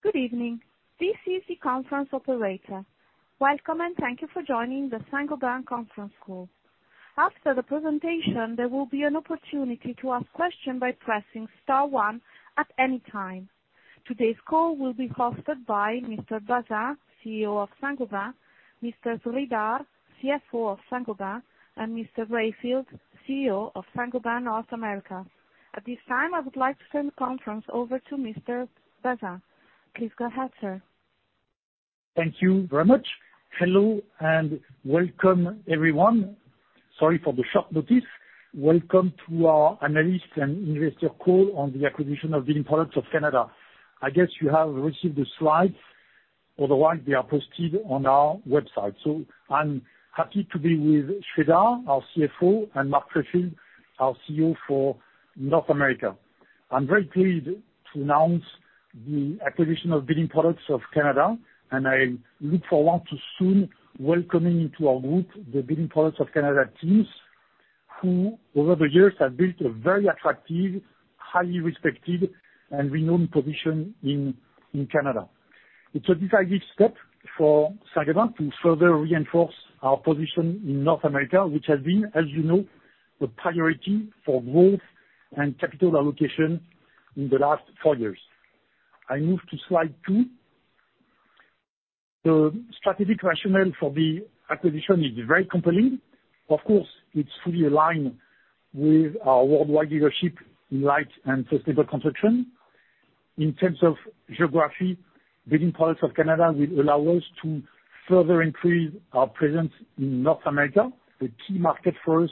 Good evening. This is the conference operator. Welcome, and thank you for joining the Saint-Gobain conference call. After the presentation, there will be an opportunity to ask questions by pressing star one at any time. Today's call will be hosted by Mr. Bazin, Chief Executive Officer of Saint-Gobain, Mr. Sreedhar, Chief Financial Officer of Saint-Gobain, and Mr. Rayfield, Chief Executive Officer of Saint-Gobain North America. At this time, I would like to turn the conference over to Mr. Bazin. Please go ahead, sir. Chief Executive Officer Thank you very much. Hello, welcome, everyone. Sorry for the short notice. Welcome to our analyst and investor call on the acquisition of Building Products of Canada. I guess you have received the slides, otherwise they are posted on our website. I'm happy to be with Srdhar, our Chief Financial Officer, and Mark Rayfield, our Chief Executive Officerr for North America. I'm very pleased to announce the acquisition of Building Products of Canada, and I look forward to soon welcoming into our group the Building Products of Canada teams, who over the years have built a very attractive, highly respected, and renowned position in Canada. It's a decisive step for Saint-Gobain to further reinforce our position in North America, which has been, as you know, a priority for growth and capital allocation in the last four years. I move to slide two. The strategic rationale for the acquisition is very compelling. Of course, it's fully aligned with our worldwide leadership in light and sustainable construction. In terms of geography, Building Products of Canada will allow us to further increase our presence in North America, a key market for us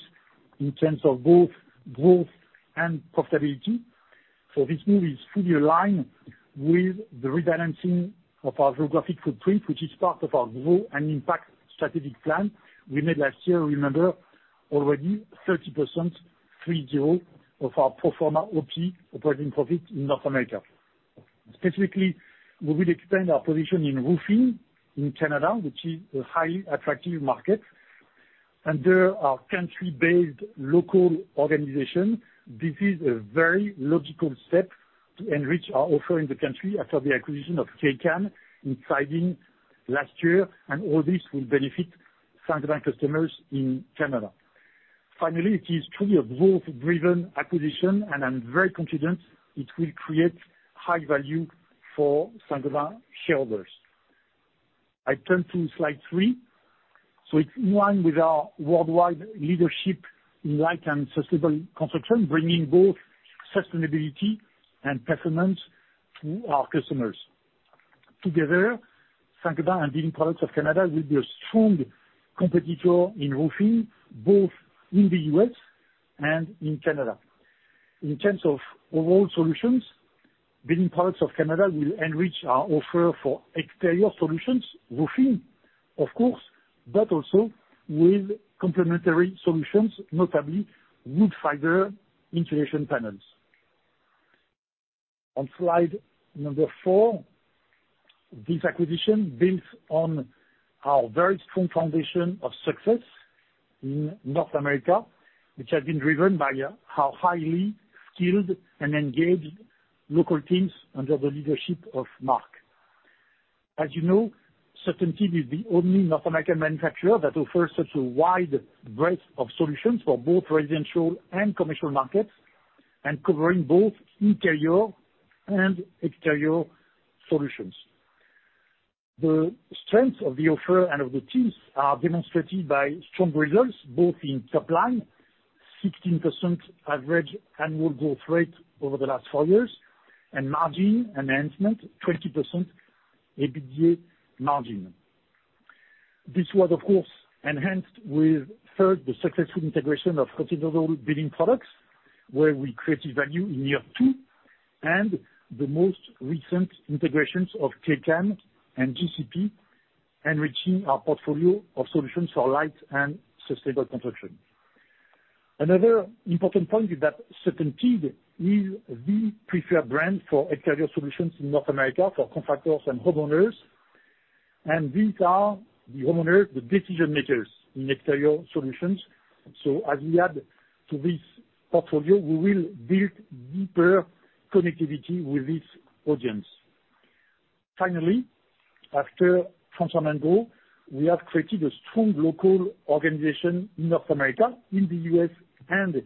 in terms of both growth and profitability. This move is fully aligned with the rebalancing of our geographic footprint, which is part of our Grow and Impact strategic plan we made last year. Remember, already 30% of our pro forma OP, operating profit, in North America. Specifically, we will expand our position in roofing in Canada, which is a highly attractive market, and there are country-based local organizations. This is a very logical step to enrich our offer in the country after the acquisition of Kaycan in siding last year, and all this will benefit Saint-Gobain customers in Canada. Finally, it is truly a growth-driven acquisition, and I'm very confident it will create high value for Saint-Gobain shareholders. I turn to slide 3. It's one with our worldwide leadership in light and sustainable construction, bringing both sustainability and performance to our customers. Together, Saint-Gobain and Building Products of Canada will be a strong competitor in roofing, both in the U.S. and in Canada. In terms of overall solutions, Building Products of Canada will enrich our offer for exterior solutions, roofing of course, but also with complementary solutions, notably wood fiber insulation panels. On slide number 4, this acquisition builds on our very strong foundation of success in North America, which has been driven by our highly skilled and engaged local teams under the leadership of Mark. As you know, CertainTeed is the only North American manufacturer that offers such a wide breadth of solutions for both residential and commercial markets, and covering both interior and exterior solutions. The strength of the offer and of the teams are demonstrated by strong results, both in top line, 16% average annual growth rate over the last four years, and margin enhancement, 20% EBITDA margin. This was, of course, enhanced with, third, the successful integration of Continental Building Products, where we created value in year two, and the most recent integrations of Kaycan and GCP, enriching our portfolio of solutions for light and sustainable construction. Another important point is that CertainTeed is the preferred brand for exterior solutions in North America for contractors and homeowners, and these are the homeowners, the decision makers in exterior solutions. As we add to this portfolio, we will build deeper connectivity with this audience. Finally, after Transform and Grow, we have created a strong local organization in North America, in the U.S. and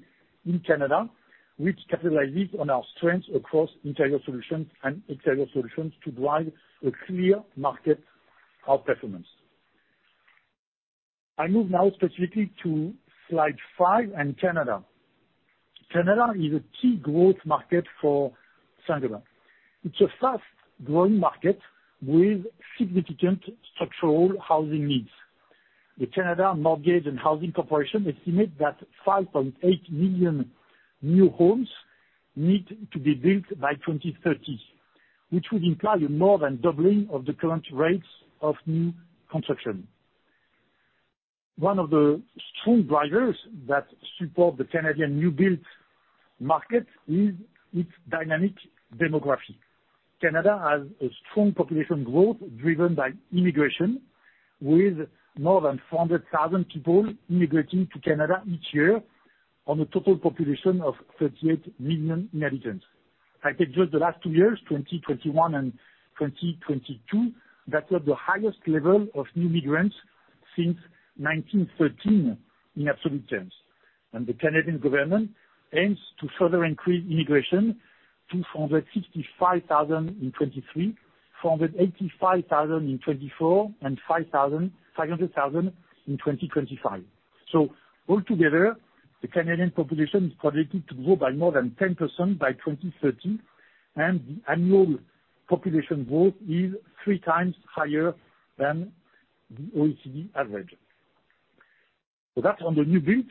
in Canada, which capitalizes on our strengths across interior solutions and exterior solutions to drive a clear market of performance. I move now specifically to slide 5 and Canada. Canada is a key growth market for Saint-Gobain. It's a fast-growing market with significant structural housing needs. The Canada Mortgage and Housing Corporation estimate that 5.8 million new homes need to be built by 2030, which would imply more than doubling of the current rates of new construction. One of the strong drivers that support the Canadian new build market is its dynamic demography. Canada has a strong population growth driven by immigration.... with more than 400,000 people immigrating to Canada each year, on a total population of 38 million inhabitants. I think just the last 2 years, 2021 and 2022, that was the highest level of new immigrants since 1913 in absolute terms. The Canadian government aims to further increase immigration to 465,000 in 2023, 485,000 in 2024, and 500,000 in 2025. Altogether, the Canadian population is projected to grow by more than 10% by 2030, and the annual population growth is 3 times higher than the OECD average. That's on the new build.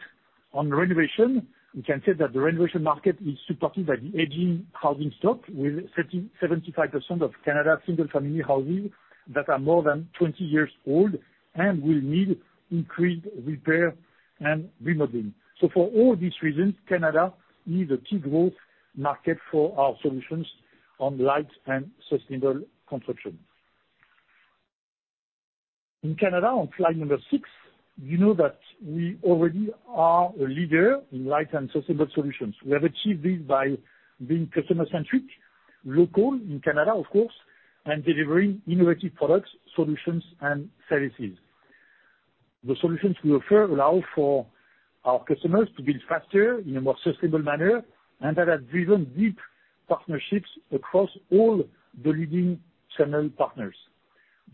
On renovation, we can say that the renovation market is supported by the aging housing stock, with 30, 75% of Canada single-family housing that are more than 20 years old, and will need increased repair and remodeling. For all these reasons, Canada is a key growth market for our solutions on light and sustainable construction. In Canada, on slide number 6, you know that we already are a leader in light and sustainable solutions. We have achieved this by being customer-centric, local in Canada, of course, and delivering innovative products, solutions, and services. The solutions we offer allow for our customers to build faster, in a more sustainable manner, and that has driven deep partnerships across all the leading channel partners.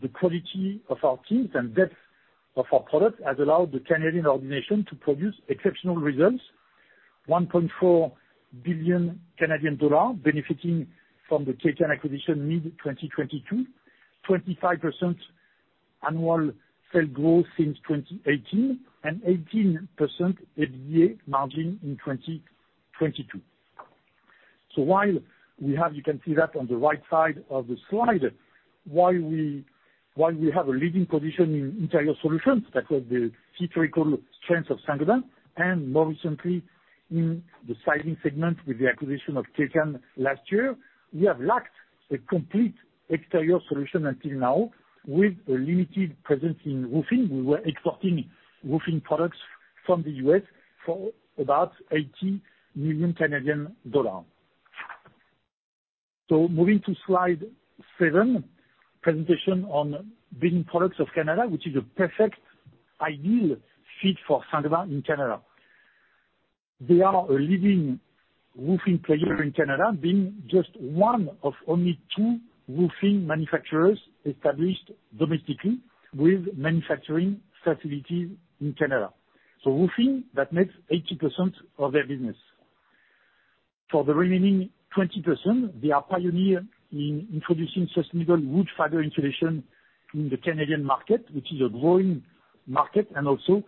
The quality of our teams and depth of our products has allowed the Canadian organization to produce exceptional results. 1.4 billion Canadian dollars, benefiting from the Kaycan acquisition mid-2022, 25% annual sales growth since 2018, and 18% EBITDA margin in 2022. While we have, you can see that on the right side of the slide. While we have a leading position in interior solutions, that was the historical strength of Saint-Gobain, and more recently in the siding segment with the acquisition of Kaycan last year, we have lacked a complete exterior solution until now, with a limited presence in roofing. We were exporting roofing products from the U.S. for about 80 million Canadian dollars. Moving to slide 7, presentation on Building Products of Canada, which is a perfect, ideal fit for Saint-Gobain in Canada. They are a leading roofing player in Canada, being just one of only two roofing manufacturers established domestically with manufacturing facilities in Canada. Roofing, that makes 80% of their business. For the remaining 20%, they are pioneer in introducing sustainable wood fiber insulation in the Canadian market, which is a growing market, and also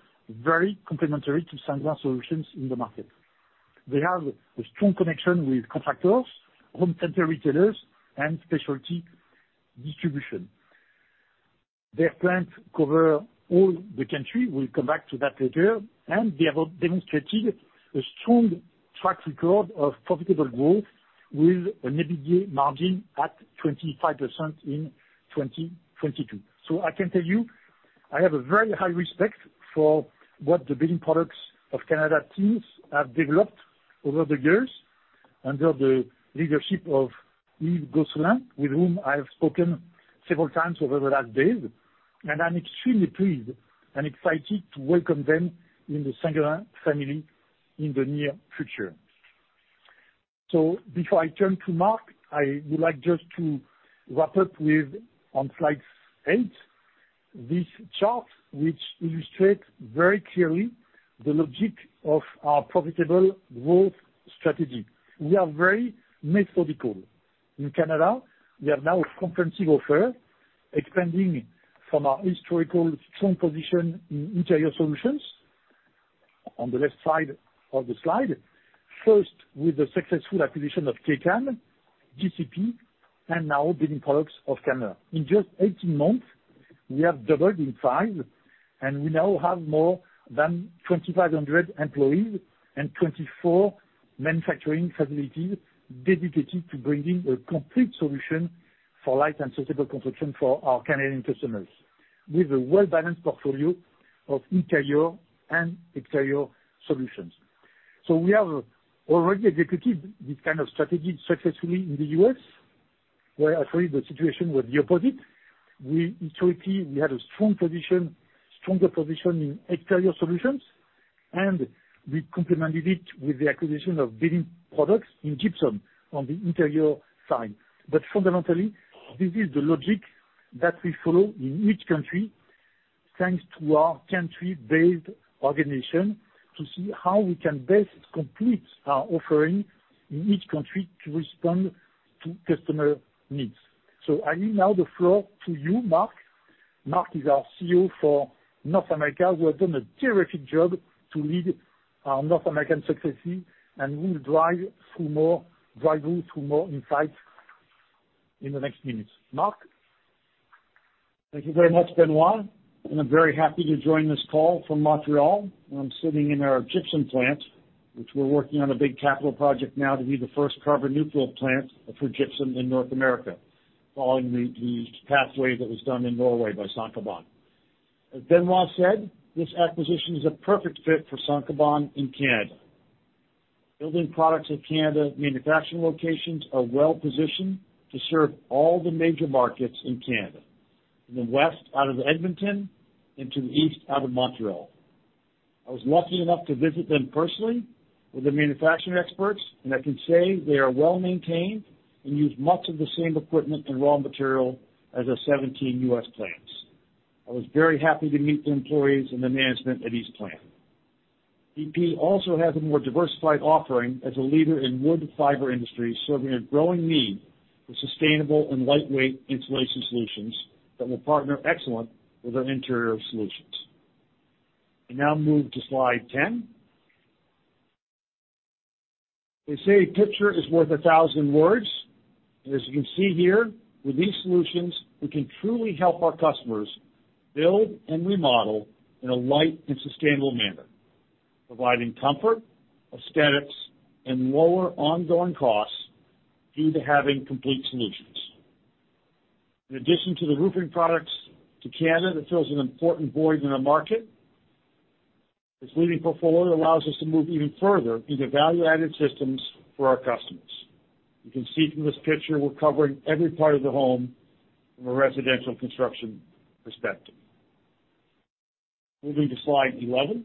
very complementary to Saint-Gobain solutions in the market. They have a strong connection with contractors, home center retailers, and specialty distribution. Their clients cover all the country, we'll come back to that later, and they have demonstrated a strong track record of profitable growth, with an EBITDA margin at 25% in 2022. I can tell you, I have a very high respect for what the Building Products of Canada teams have developed over the years, under the leadership of Yves Gosselin, with whom I have spoken several times over the last days. I'm extremely pleased and excited to welcome them in the Saint-Gobain family in the near future. Before I turn to Mark, I would like just to wrap up with, on slide 8, this chart, which illustrates very clearly the logic of our profitable growth strategy. We are very methodical. In Canada, we have now a comprehensive offer, expanding from our historical strong position in interior solutions. On the left side of the slide, first, with the successful acquisition of Kaycan, GCP, and now Building Products of Canada. In just 18 months, we have doubled in size, and we now have more than 2,500 employees and 24 manufacturing facilities dedicated to bringing a complete solution for light and sustainable construction for our Canadian customers, with a well-balanced portfolio of interior and exterior solutions. We have already executed this kind of strategy successfully in the U.S., where actually the situation was the opposite. We historically had a strong position, stronger position in exterior solutions, we complemented it with the acquisition of Building Products in Gypsum on the interior side. Fundamentally, this is the logic that we follow in each country, thanks to our country-based organization, to see how we can best complete our offering in each country to respond to customer needs. I leave now the floor to you, Mark. Mark is our Chief Executive Officer for North America, who has done a terrific job to lead our North American success here, will drive you through more insights in the next minutes. Mark? Thank you very much, Benoit, and I'm very happy to join this call from Montreal. I'm sitting in our gypsum plant, which we're working on a big capital project now to be the first carbon-neutral plant for gypsum in North America, following the pathway that was done in Norway by Saint-Gobain. As Benoit said, this acquisition is a perfect fit for Saint-Gobain in Canada. Building Products of Canada manufacturing locations are well positioned to serve all the major markets in Canada, from the west out of Edmonton and to the east out of Montreal. I was lucky enough to visit them personally with their manufacturing experts, and I can say they are well-maintained and use much of the same equipment and raw material as our 17 U.S. plants. I was very happy to meet the employees and the management at each plant. BP also has a more diversified offering as a leader in wood fiber industry, serving a growing need for sustainable and lightweight insulation solutions that will partner excellent with our interior solutions. We now move to slide 10. They say a picture is worth 1,000 words. As you can see here, with these solutions, we can truly help our customers build and remodel in a light and sustainable manner, providing comfort, aesthetics, and lower ongoing costs due to having complete solutions. In addition to the roofing products to Canada, that fills an important void in the market, this leading portfolio allows us to move even further into value-added systems for our customers. You can see from this picture, we're covering every part of the home from a residential construction perspective. Moving to slide 11.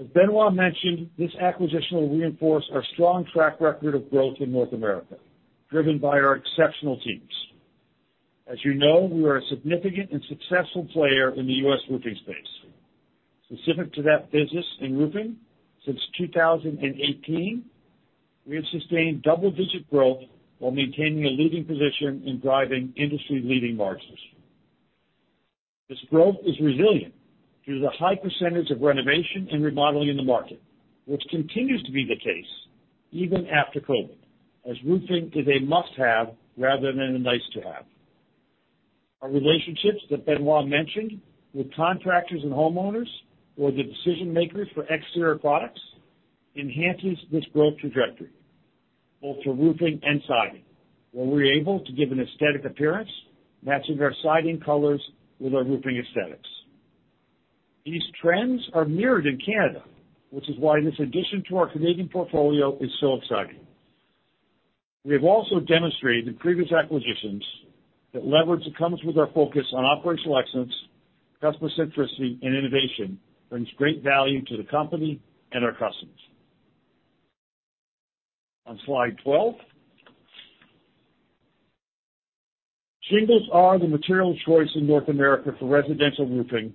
As Benoit mentioned, this acquisition will reinforce our strong track record of growth in North America, driven by our exceptional teams. As you know, we are a significant and successful player in the U.S. roofing space. Specific to that business in roofing, since 2018, we have sustained double-digit growth while maintaining a leading position in driving industry-leading margins. This growth is resilient due to the high % of renovation and remodeling in the market, which continues to be the case even after COVID, as roofing is a must-have rather than a nice-to-have. Our relationships, that Benoit mentioned, with contractors and homeowners, who are the decision-makers for exterior products, enhances this growth trajectory, both for roofing and siding, where we're able to give an aesthetic appearance, matching our siding colors with our roofing aesthetics. These trends are mirrored in Canada, which is why this addition to our Canadian portfolio is so exciting. We have also demonstrated in previous acquisitions that leverage that comes with our focus on operational excellence, customer centricity, and innovation brings great value to the company and our customers. On slide 12. Shingles are the material of choice in North America for residential roofing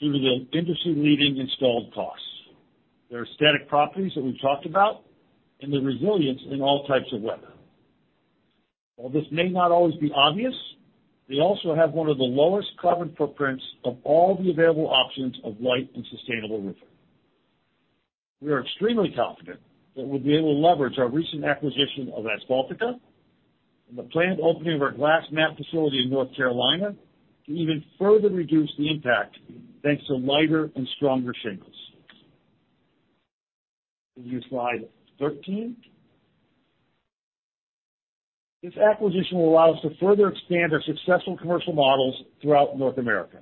due to the industry-leading installed costs, their aesthetic properties that we've talked about, and the resilience in all types of weather. While this may not always be obvious, they also have one of the lowest carbon footprints of all the available options of light and sustainable roofing. We are extremely confident that we'll be able to leverage our recent acquisition of Asphaltica and the planned opening of our glass mat facility in North Carolina to even further reduce the impact, thanks to lighter and stronger shingles. Moving to slide 13. This acquisition will allow us to further expand our successful commercial models throughout North America.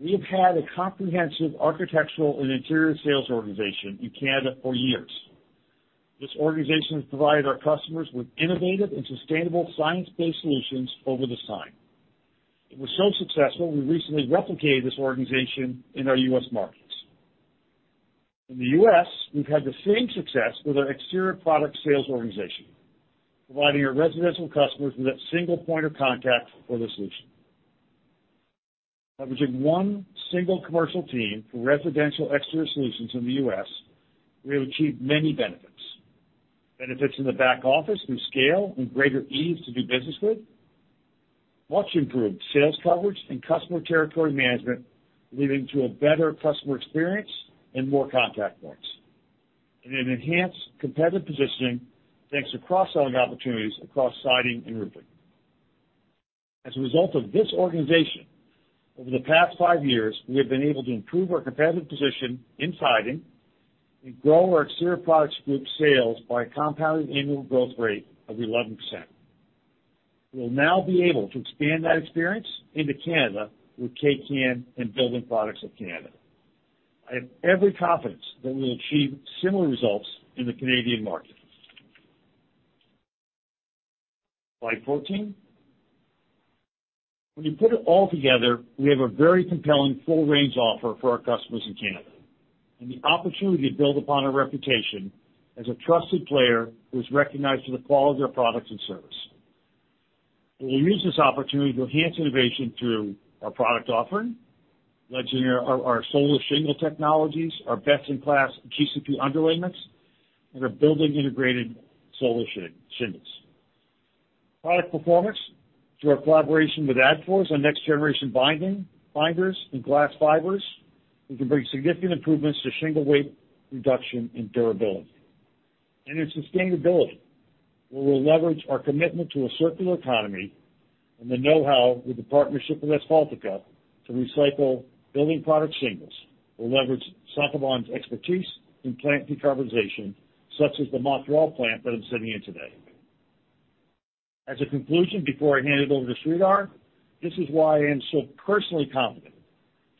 We have had a comprehensive architectural and interior sales organization in Canada for years. This organization has provided our customers with innovative and sustainable science-based solutions over this time. It was so successful, we recently replicated this organization in our US markets. In the US, we've had the same success with our exterior product sales organization, providing our residential customers with a single point of contact for the solution. Leveraging one single commercial team for residential exterior solutions in the US, we have achieved many benefits. Benefits in the back office through scale and greater ease to do business with, much improved sales coverage and customer territory management, leading to a better customer experience and more contact points, and an enhanced competitive positioning, thanks to cross-selling opportunities across siding and roofing. As a result of this organization, over the past five years, we have been able to improve our competitive position in siding and grow our exterior products group sales by a compounded annual growth rate of 11%. We'll now be able to expand that experience into Canada with Kaycan and Building Products of Canada. I have every confidence that we'll achieve similar results in the Canadian market. Slide 14. When you put it all together, we have a very compelling full-range offer for our customers in Canada, and the opportunity to build upon our reputation as a trusted player who's recognized for the quality of their products and service. We will use this opportunity to enhance innovation through our product offering, led to our solar shingle technologies, our best-in-class GCP underlayments, and our building-integrated solar shingles. Product performance, through our collaboration with Agfa, our next-generation binders and glass fibers, we can bring significant improvements to shingle weight reduction and durability. Its sustainability, where we'll leverage our commitment to a circular economy and the know-how with the partnership with Asphaltica to recycle building product shingles. We'll leverage Saint-Gobain's expertise in plant decarbonization, such as the Mont-Royal plant that I'm sitting in today. As a conclusion, before I hand it over to Sreedhar, this is why I am so personally confident,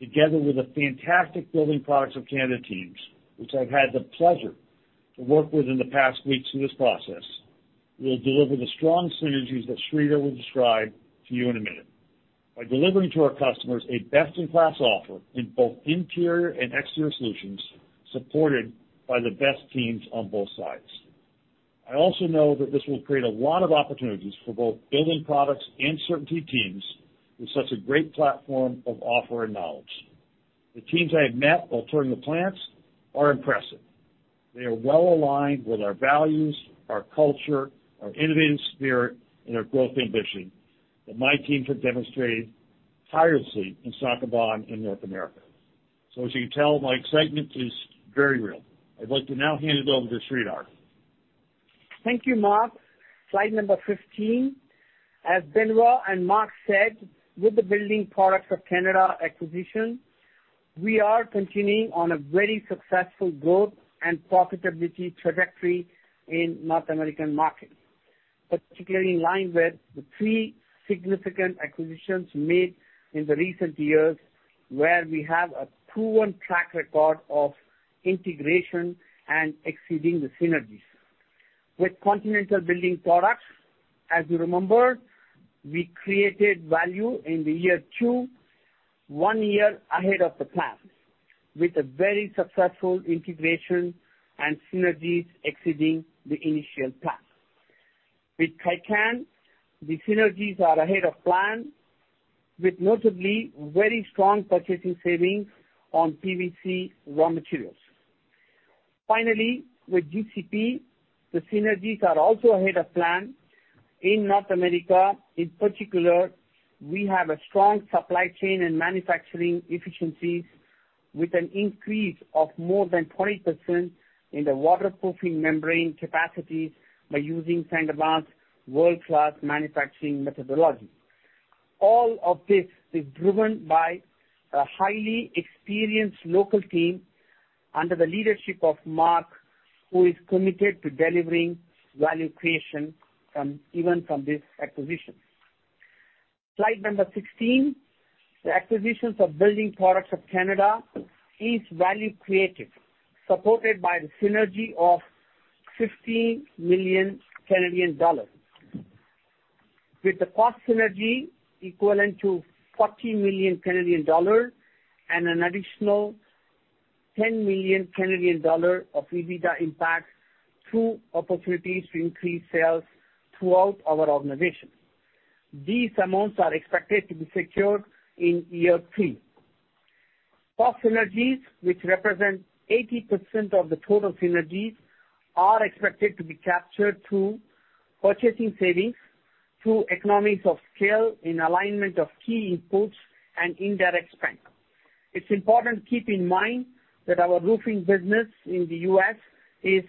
together with the fantastic Building Products of Canada teams, which I've had the pleasure to work with in the past weeks in this process, we'll deliver the strong synergies that Sreedhar will describe to you in a minute. By delivering to our customers a best-in-class offer in both interior and exterior solutions, supported by the best teams on both sides. I also know that this will create a lot of opportunities for both Building Products and CertainTeed teams with such a great platform of offer and knowledge. The teams I have met while touring the plants are impressive. They are well aligned with our values, our culture, our innovative spirit, and our growth ambition that my teams have demonstrated tirelessly in Saint-Gobain in North America. As you can tell, my excitement is very real. I'd like to now hand it over to Sreedhar. Thank you, Mark. Slide number 15. As Benoit and Mark said, with the Building Products of Canada acquisition, we are continuing on a very successful growth and profitability trajectory in North American markets, particularly in line with the three significant acquisitions made in the recent years, where we have a proven track record of integration and exceeding the synergies. With Continental Building Products, as you remember, we created value in the year 2, 1 year ahead of the plan, with a very successful integration and synergies exceeding the initial plan. With Tytan, the synergies are ahead of plan, with notably very strong purchasing savings on PVC raw materials. Finally, with GCP, the synergies are also ahead of plan. In North America, in particular, we have a strong supply chain and manufacturing efficiencies with an increase of more than 20% in the waterproofing membrane capacity by using Saint-Gobain's world-class manufacturing methodology. All of this is driven by a highly experienced local team under the leadership of Mark, who is committed to delivering value creation even from this acquisition. Slide number 16. The acquisitions of Building Products of Canada is value creative, supported by the synergy of 50 million Canadian dollars, with the cost synergy equivalent to 40 million Canadian dollar and an additional 10 million Canadian dollar of EBITDA impact through opportunities to increase sales throughout our organization. These amounts are expected to be secured in year 3. Cost synergies, which represent 80% of the total synergies, are expected to be captured through purchasing savings, through economics of scale in alignment of key inputs and indirect spend. It's important to keep in mind that our roofing business in the U.S. is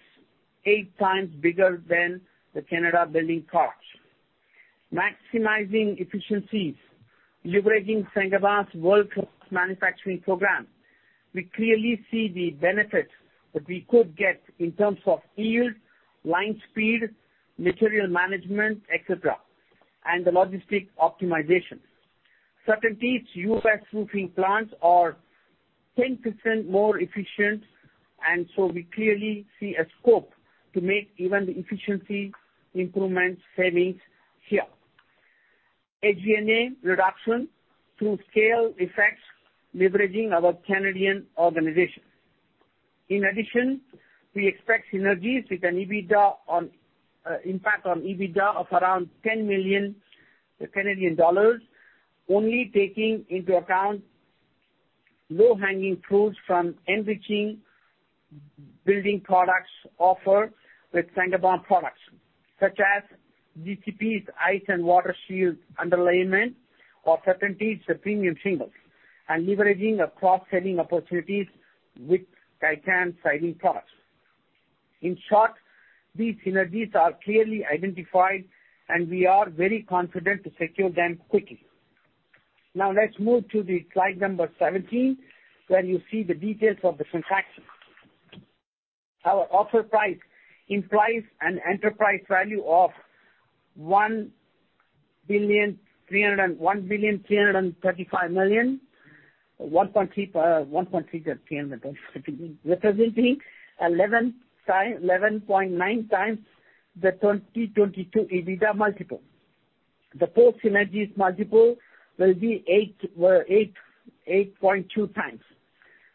eight times bigger than the Building Products of Canada. Maximizing efficiencies, leveraging Saint-Gobain's world-class manufacturing program, we clearly see the benefits that we could get in terms of yield, line speed, material management, et cetera, and the logistic optimization. CertainTeed's U.S. roofing plants are 10% more efficient, and so we clearly see a scope to make even the efficiency improvement savings here. G&A reduction through scale effects, leveraging our Canadian organization. In addition, we expect synergies with an EBITDA on impact on EBITDA of around 10 million Canadian dollars, only taking into account low-hanging fruits from enriching building products offered with Saint-Gobain products, such as GCP's Grace Ice & Water Shield underlayment or CertainTeed's premium shingles, and leveraging across selling opportunities with Tytan Siding products. In short, these synergies are clearly identified, and we are very confident to secure them quickly. Let's move to the slide number 17, where you see the details of the transaction. Our offer price implies an enterprise value of 1.335 billion, representing 11.9 times the 2022 EBITDA multiple. The post synergies multiple will be 8.2 times.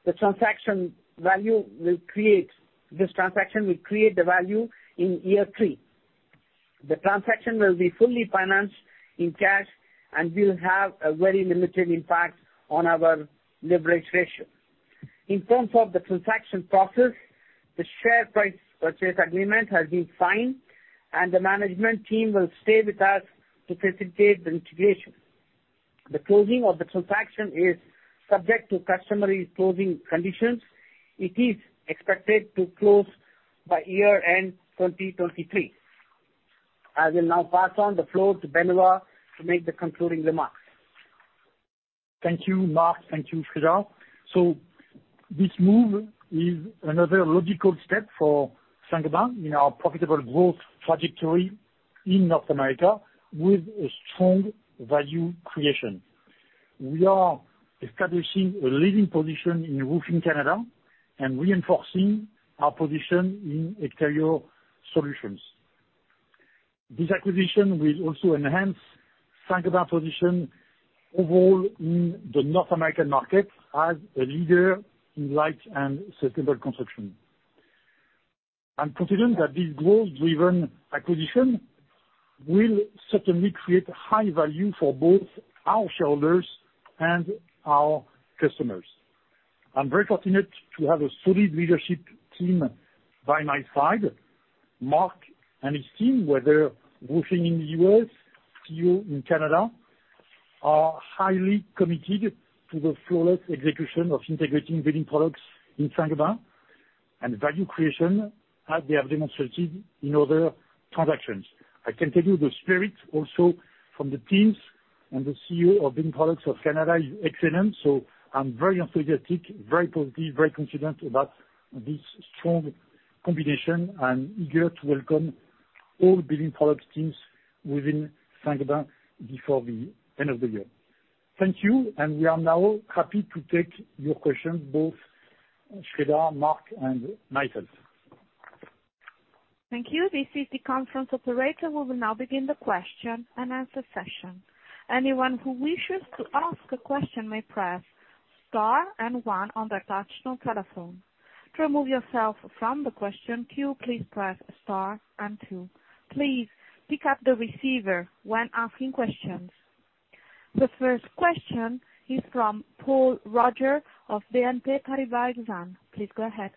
The transaction value will create... This transaction will create the value in year three. The transaction will be fully financed in cash and will have a very limited impact on our leverage ratio. In terms of the transaction process, the share price purchase agreement has been signed, and the management team will stay with us to facilitate the integration. The closing of the transaction is subject to customary closing conditions. It is expected to close by year end 2023. I will now pass on the floor to Benoit to make the concluding remarks. Thank you, Mark. Thank you, Sreedhar. This move is another logical step for Saint-Gobain in our profitable growth trajectory in North America with a strong value creation. We are establishing a leading position in roofing Canada and reinforcing our position in exterior solutions. This acquisition will also enhance Saint-Gobain position overall in the North American market as a leader in light and sustainable construction. I'm confident that this growth driven acquisition will certainly create high value for both our shareholders and our customers. I'm very fortunate to have a solid leadership team by my side, Mark and his team, whether working in the U.S., CEO in Canada, are highly committed to the flawless execution of integrating Building Products in Saint-Gobain, and value creation, as they have demonstrated in other transactions. I can tell you the spirit also from the teams and the Chief Executive Officer if Building Products of Canada is excellent. I'm very enthusiastic, very positive, very confident about this strong combination, eager to welcome all Building Products teams within Saint-Gobain before the end of the year. Thank you. We are now happy to take your questions, both Spreedhar, Mark, and myself. Thank you. This is the conference operator. We will now begin the question and answer session. Anyone who wishes to ask a question may press star and one on their touchtone telephone. To remove yourself from the question queue, please press star and two. Please pick up the receiver when asking questions. The first question is from Paul Roger of BNP Paribas, please go ahead.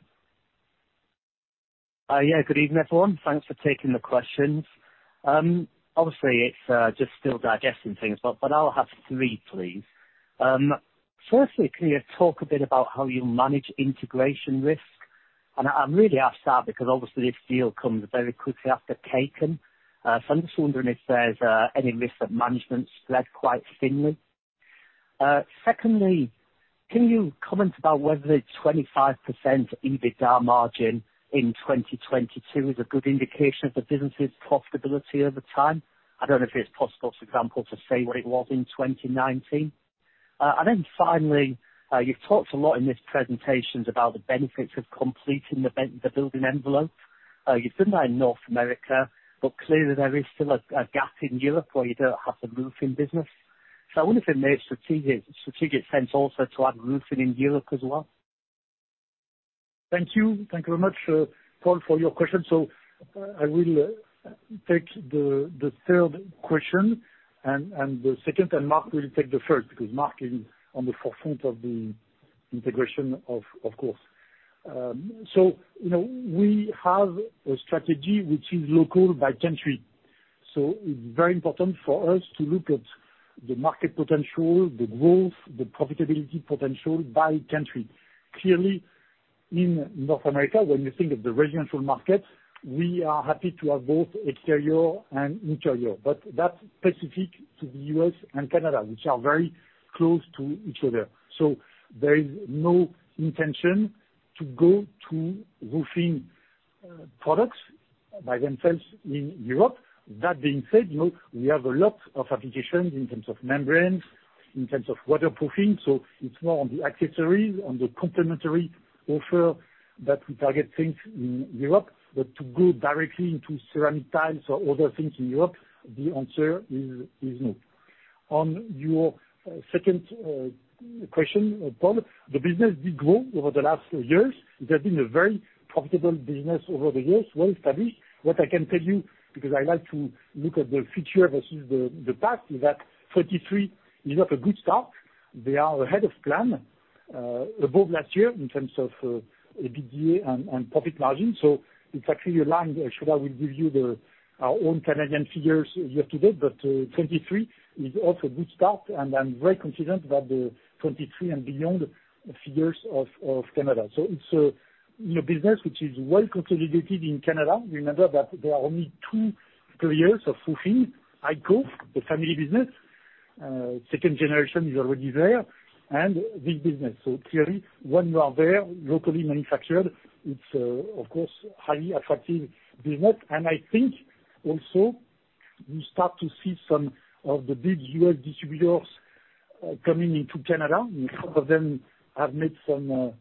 Yeah, good evening, everyone. Thanks for taking the questions. Obviously, it's just still digesting things, but I'll have three, please. Firstly, can you talk a bit about how you manage integration risk? I really ask that because obviously this deal comes very quickly after Kaycan. I'm just wondering if there's any risk that management spread quite thinly. Secondly, can you comment about whether the 25% EBITDA margin in 2022 is a good indication of the business's profitability over time? I don't know if it's possible, for example, to say what it was in 2019. Finally, you've talked a lot in this presentations about the benefits of completing the building envelope. You've done that in North America, clearly there is still a gap in Europe where you don't have the roofing business. I wonder if it makes strategic sense also to add roofing in Europe as well? Thank you. Thank you very much, Paul, for your questions. I will take the third question, and the second, and Mark will take the first, because Mark is on the forefront of the integration of course. You know, we have a strategy which is local by country, so it's very important for us to look at the market potential, the growth, the profitability potential by country. Clearly, in North America, when you think of the residential market, we are happy to have both exterior and interior, but that's specific to the U.S. and Canada, which are very close to each other. There is no intention to go to roofing products by themselves in Europe. That being said, you know, we have a lot of applications in terms of membranes, in terms of waterproofing, so it's more on the accessories, on the complementary offer that we target things in Europe, but to go directly into ceramic tiles or other things in Europe, the answer is no. On your second question, Paul, the business did grow over the last years. They've been a very profitable business over the years, well established. What I can tell you, because I like to look at the future versus the past, is that 23 is off a good start. They are ahead of plan, above last year in terms of EBITDA and profit margin. In fact, I will give you our own Canadian figures year to date, but 2023 is off a good start, and I'm very confident about the 2023 and beyond figures of Canada. It's in a business which is well consolidated in Canada. Remember that there are only 2 players of roofing, IKO, a family business, second generation is already there, and this business. Clearly, when you are there, locally manufactured, it's of course, highly attractive business. I think also we start to see some of the big US distributors coming into Canada, and some of them have made some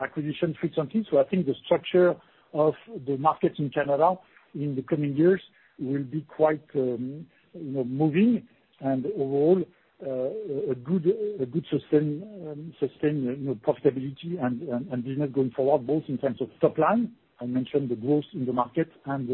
acquisition recently. I think the structure of the market in Canada in the coming years will be quite, you know, moving and overall, a good sustain, you know, profitability and business going forward, both in terms of top line, I mentioned the growth in the market, and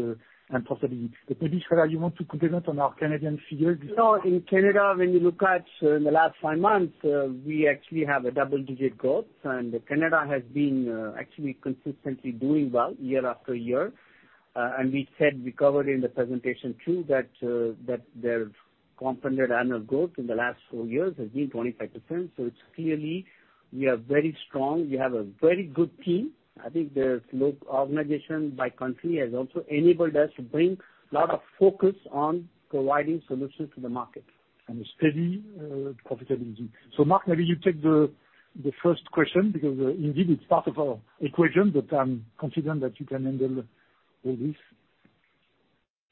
profitability. But maybe, Sreedhar, you want to comment on our Canadian figures? You know, in Canada, when you look at, in the last 5 months, we actually have a double-digit growth. Canada has been actually consistently doing well year-after-year. We said we covered in the presentation, too, that their compounded annual growth in the last 4 years has been 25%. It's clearly, we are very strong. We have a very good team. I think their local organization by country has also enabled us to bring a lot of focus on providing solutions to the market and a steady profitability. Mark, maybe you take the first question, because, indeed, it's part of our equation, but I'm confident that you can handle this.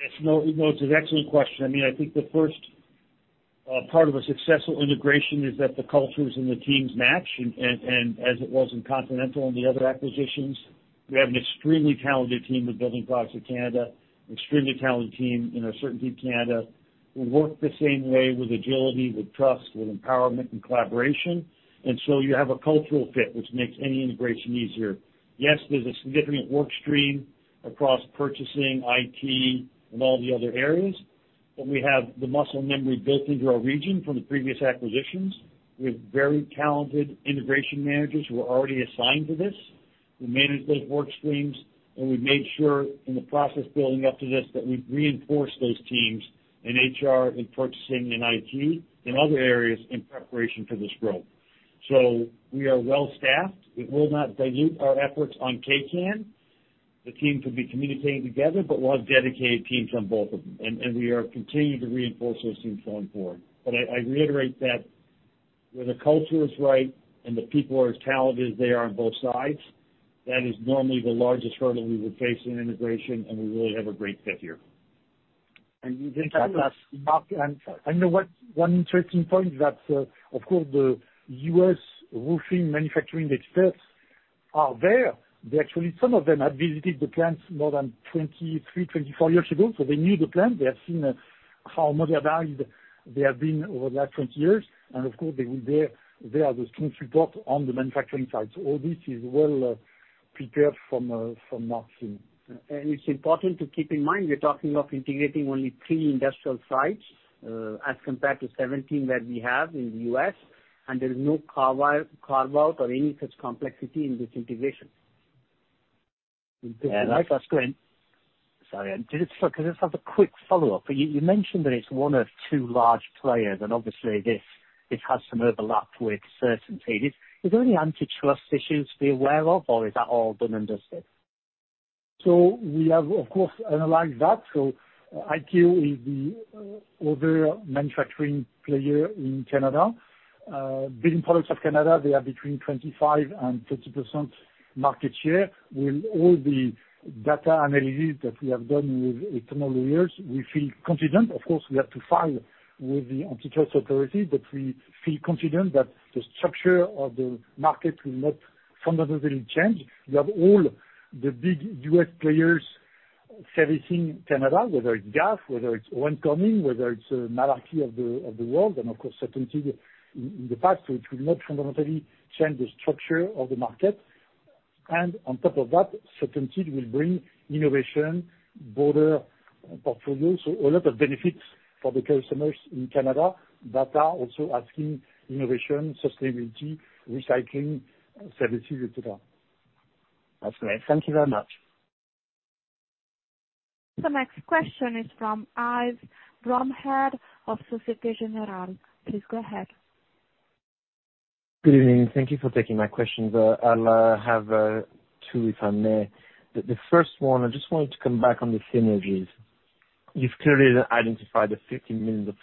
Yes, no, it's an excellent question. I mean, I think the first part of a successful integration is that the cultures and the teams match, and as it was in Continental and the other acquisitions, we have an extremely talented team with Building Products of Canada, extremely talented team in CertainTeed Canada, who work the same way with agility, with trust, with empowerment and collaboration. You have a cultural fit, which makes any integration easier. Yes, there's a significant work stream across purchasing, IT, and all the other areas. We have the muscle memory built into our region from the previous acquisitions, with very talented integration managers who are already assigned to this. We manage those work streams, and we've made sure in the process building up to this, that we've reinforced those teams in HR, in purchasing, in IT, and other areas, in preparation for this growth. We are well-staffed. It will not dilute our efforts on Kaycan. The team could be communicating together, but we'll have dedicated teams on both of them. We are continuing to reinforce those teams going forward. I reiterate that where the culture is right and the people are as talented as they are on both sides, that is normally the largest hurdle we would face in integration, and we really have a great fit here. You then tell us, Mark, and I know one interesting point that, of course, the U.S. roofing manufacturing experts are there. They actually, some of them have visited the plants more than 23, 24 years ago, so they knew the plant. They have seen how modernized they have been over the last 20 years, and of course, they will there, they are the strong support on the manufacturing side. All this is well prepared from Mark team. It's important to keep in mind, we're talking of integrating only 3 industrial sites, as compared to 17 that we have in the US, and there is no carve-out or any such complexity in this integration. Yeah, that's great. Can I just have a quick follow-up? You mentioned that it's one of two large players, obviously this has some overlap with CertainTeed. Is there any antitrust issues to be aware of, or is that all been understood? We have, of course, analyzed that. IKO is the other manufacturing player in Canada. Building Products of Canada, they are between 25% and 30% market share. With all the data analysis that we have done with internal reviewers, we feel confident. Of course, we have to file with the antitrust authority, but we feel confident that the structure of the market will not fundamentally change. We have all the big U.S. players servicing Canada, whether it's GAF, whether it's Owens Corning, whether it's Malarkey of the world, and of course, CertainTeed in the past, which will not fundamentally change the structure of the market. On top of that, CertainTeed will bring innovation, broader portfolio, so a lot of benefits for the customers in Canada that are also asking innovation, sustainability, recycling services, et cetera. That's great. Thank you very much. The next question is from Yves Romherd of Societe Generale. Please go ahead. Good evening. Thank you for taking my questions. I'll have 2, if I may. The first one, I just wanted to come back on the synergies. You've clearly identified the 50 million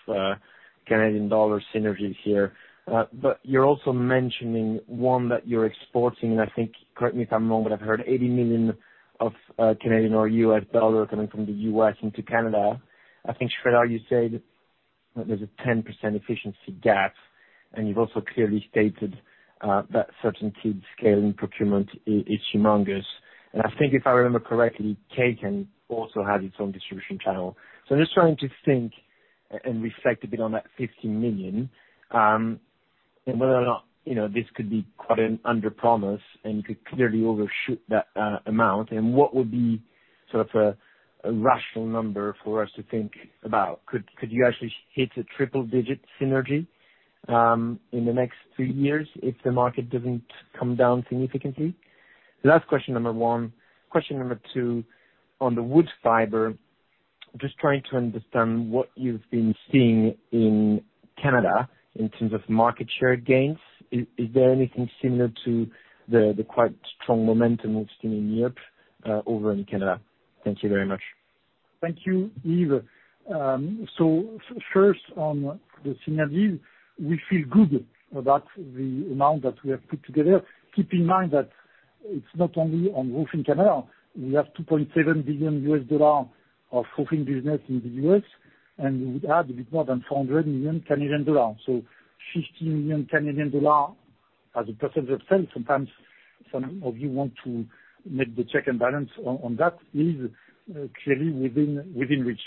synergies here, but you're also mentioning one that you're exporting, I think, correct me if I'm wrong, but I've heard 80 million or US dollar coming from the US into Canada. I think, Sreedhar, you said that there's a 10% efficiency gap, and you've also clearly stated that CertainTeed's scale in procurement is humongous. I think, if I remember correctly, Kaycan also has its own distribution channel. I'm just trying to think and reflect a bit on that 50 million, and whether or not, you know, this could be quite an underpromise and could clearly overshoot that amount, and what would be sort of a rational number for us to think about? Could you actually hit a triple digit synergy in the next 3 years if the market doesn't come down significantly? That's question number 1. Question number 2, on the wood fiber, just trying to understand what you've been seeing in Canada in terms of market share gains. Is there anything similar to the quite strong momentum we've seen in Europe over in Canada? Thank you very much. Thank you, Yves. First on the synergies, we feel good about the amount that we have put together. Keep in mind that it's not only on roofing Canada. We have $2.7 billion of roofing business in the U.S., and we would add a bit more than 400 million Canadian dollars. 50 million Canadian dollars, as a percentage of sales, sometimes some of you want to make the check and balance on that, is clearly within reach.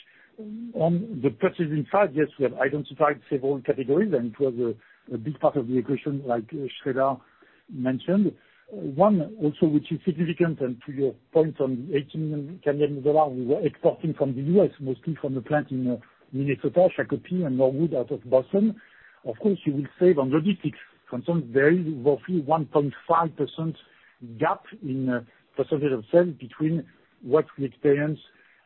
On the purchasing side, yes, we have identified several categories, and it was a big part of the equation, like Shradda mentioned. One, also, which is significant, and to your point, on 18 million Canadian dollars, we were exporting from the U.S., mostly from the plant in Minnesota, Shakopee, and Norwood, out of Boston. Of course, you will save on logistics. From some, very roughly 1.5% gap in percentage of sales between what we experience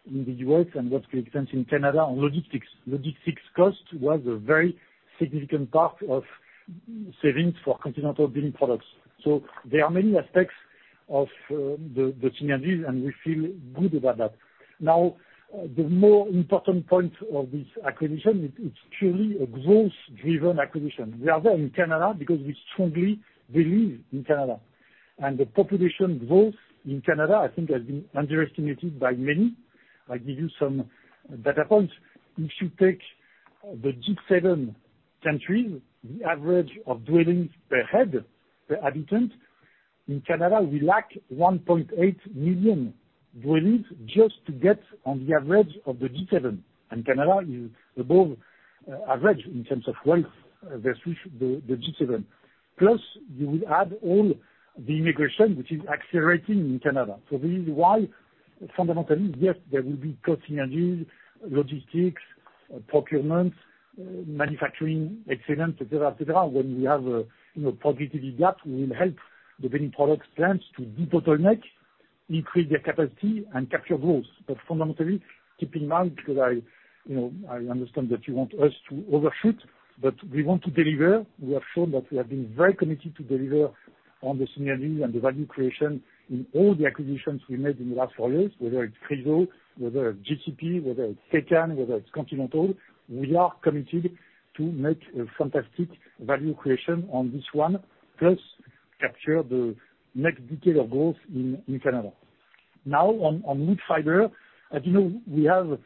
in the U.S. and what we extend in Canada on logistics. Logistics cost was a very significant part of savings for Continental Building Products. There are many aspects of the synergies, and we feel good about that. The more important point of this acquisition, it's truly a growth driven acquisition. We are there in Canada because we strongly believe in Canada, and the population growth in Canada, I think, has been underestimated by many. I give you some data points. If you take the G7 countries, the average of dwellings per head, per habitant, in Canada, we lack 1.8 million dwellings just to get on the average of the G7. Canada is above average in terms of wealth versus the G7. Plus, you will add all the immigration, which is accelerating in Canada. This is why, fundamentally, yes, there will be cost synergies, logistics, procurement, manufacturing excellence, et cetera, et cetera. When we have a, you know, productivity gap, we will help the Building Products plants to de-bottleneck, increase their capacity, and capture growth. Fundamentally, keep in mind, because I, you know, I understand that you want us to overshoot, but we want to deliver. We have shown that we have been very committed to deliver on the synergy and the value creation in all the acquisitions we made in the last 4 years, whether it's Chryso, whether GCP, whether it's Kaycan, whether it's Continental. We are committed to make a fantastic value creation on this one, plus capture the next detail of growth in Canada. On wood fiber, as you know, we have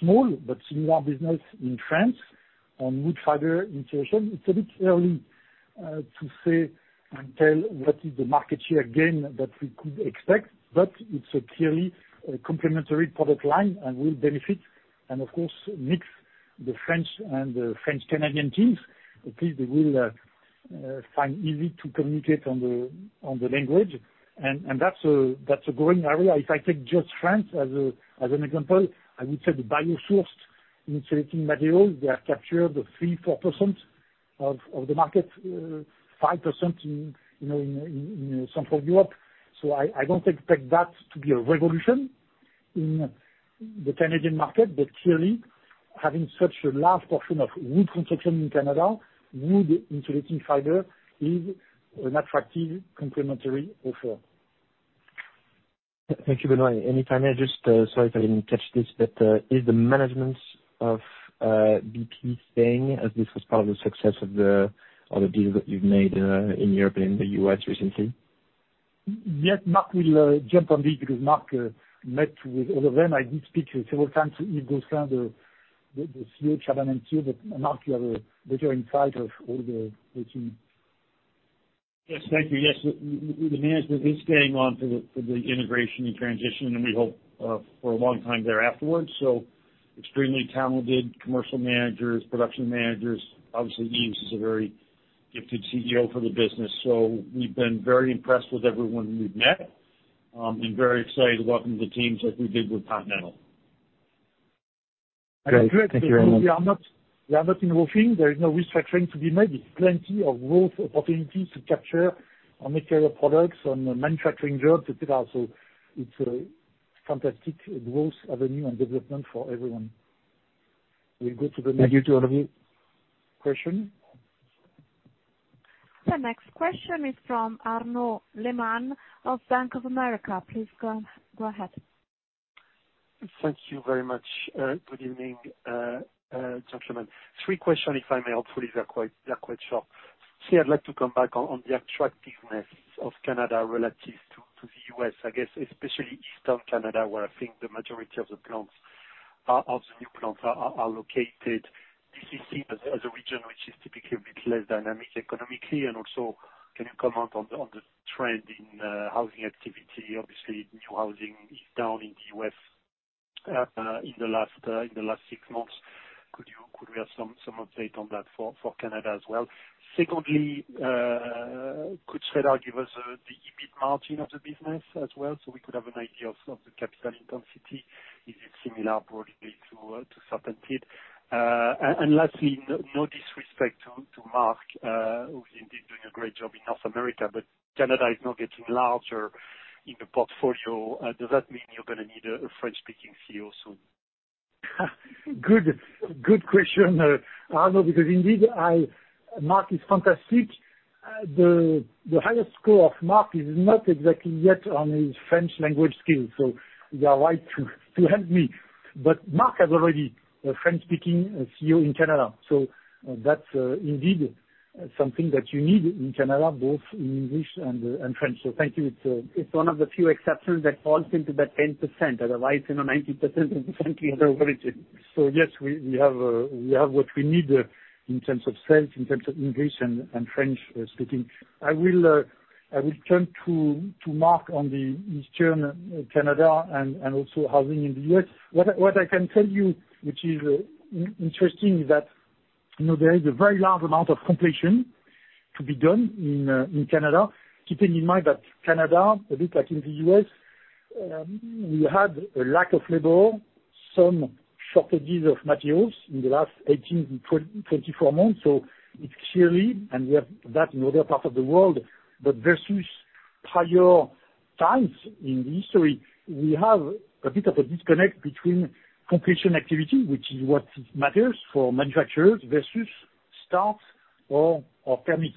small but similar business in France on wood fiber insulation. It's a bit early to say and tell what is the market share gain that we could expect, but it's clearly a complementary product line and will benefit. Of course, mix the French and the French Canadian teams, at least they will find easy to communicate on the language. That's a growing area. If I take just France as an example, I would say the bio-source insulating material, they have captured 3%-4% of the market, 5% in, you know, in Central Europe. I don't expect that to be a revolution in the Canadian market, but clearly, having such a large portion of wood construction in Canada, wood insulating fiber is an attractive complementary offer. Thank you, Benoit. Any time, I just, sorry if I didn't catch this, but, is the management of, BP staying, as this was part of the success of the, of the deals that you've made, in Europe and the US recently? Mark will jump on this, because Mark met with all of them. I did speak several times to Yves Grosclaude, the Chief Executive Officer of Chauvanot too, but Mark, you have a better insight of all the team. Yes, thank you. Yes, the management is staying on for the integration and transition, and we hope for a long time there afterwards. Extremely talented commercial managers, production managers, obviously, Yves is a very gifted Chief Executive Officer for the business. We've been very impressed with everyone we've met, and very excited to welcome the teams, like we did with Continental. Great. Thank you very much. We are not in warring. There is no restructuring to be made. It's plenty of growth opportunities to capture on material products, on the manufacturing jobs, et cetera. It's a fantastic growth avenue and development for everyone. Thank you to all of you. Question? The next question is from Arnaud Lehmann of Bank of America. Please go ahead. Thank you very much. Good evening, gentlemen. Three questions, if I may. Hopefully, they're quite short. I'd like to come back on the attractiveness of Canada relative to the U.S., I guess especially Eastern Canada, where I think the majority of the plants are, of the new plants are located. This is seen as a region which is typically a bit less dynamic economically, and also, can you comment on the trend in housing activity? Obviously, new housing is down in the U.S. in the last six months. Could you, could we have some update on that for Canada as well? Could give you us the EBIT margin of the business as well, so we could have an idea of the capital intensity, is it similar broadly to CertainTeed? Lastly, no disrespect to Mark, who's indeed doing a great job in North America, but Canada is now getting larger in the portfolio. Does that mean you're gonna need a French-speaking Chief Executive Officer soon? Good, good question, Arnaud, because indeed, Mark is fantastic. The highest score of Mark is not exactly yet on his French language skills, you are right to help me. Mark has already a French-speaking Chief Executive Officer in Canada, that's indeed something that you need in Canada, both in English and French. Thank you. It's one of the few exceptions that falls into that 10%, otherwise, you know, 90% is overage. Yes, we have what we need in terms of sales, in terms of English and French speaking. I will turn to Mark on the Eastern Canada and also housing in the U.S. What I can tell you, which is interesting, is that, you know, there is a very large amount of completion to be done in Canada. Keeping in mind that Canada, a bit like in the U.S., we had a lack of labor, some shortages of materials in the last 18 to 24 months. It's clearly, and we have that in other parts of the world, but versus prior times in history, we have a bit of a disconnect between completion activity, which is what matters for manufacturers versus starts or permits.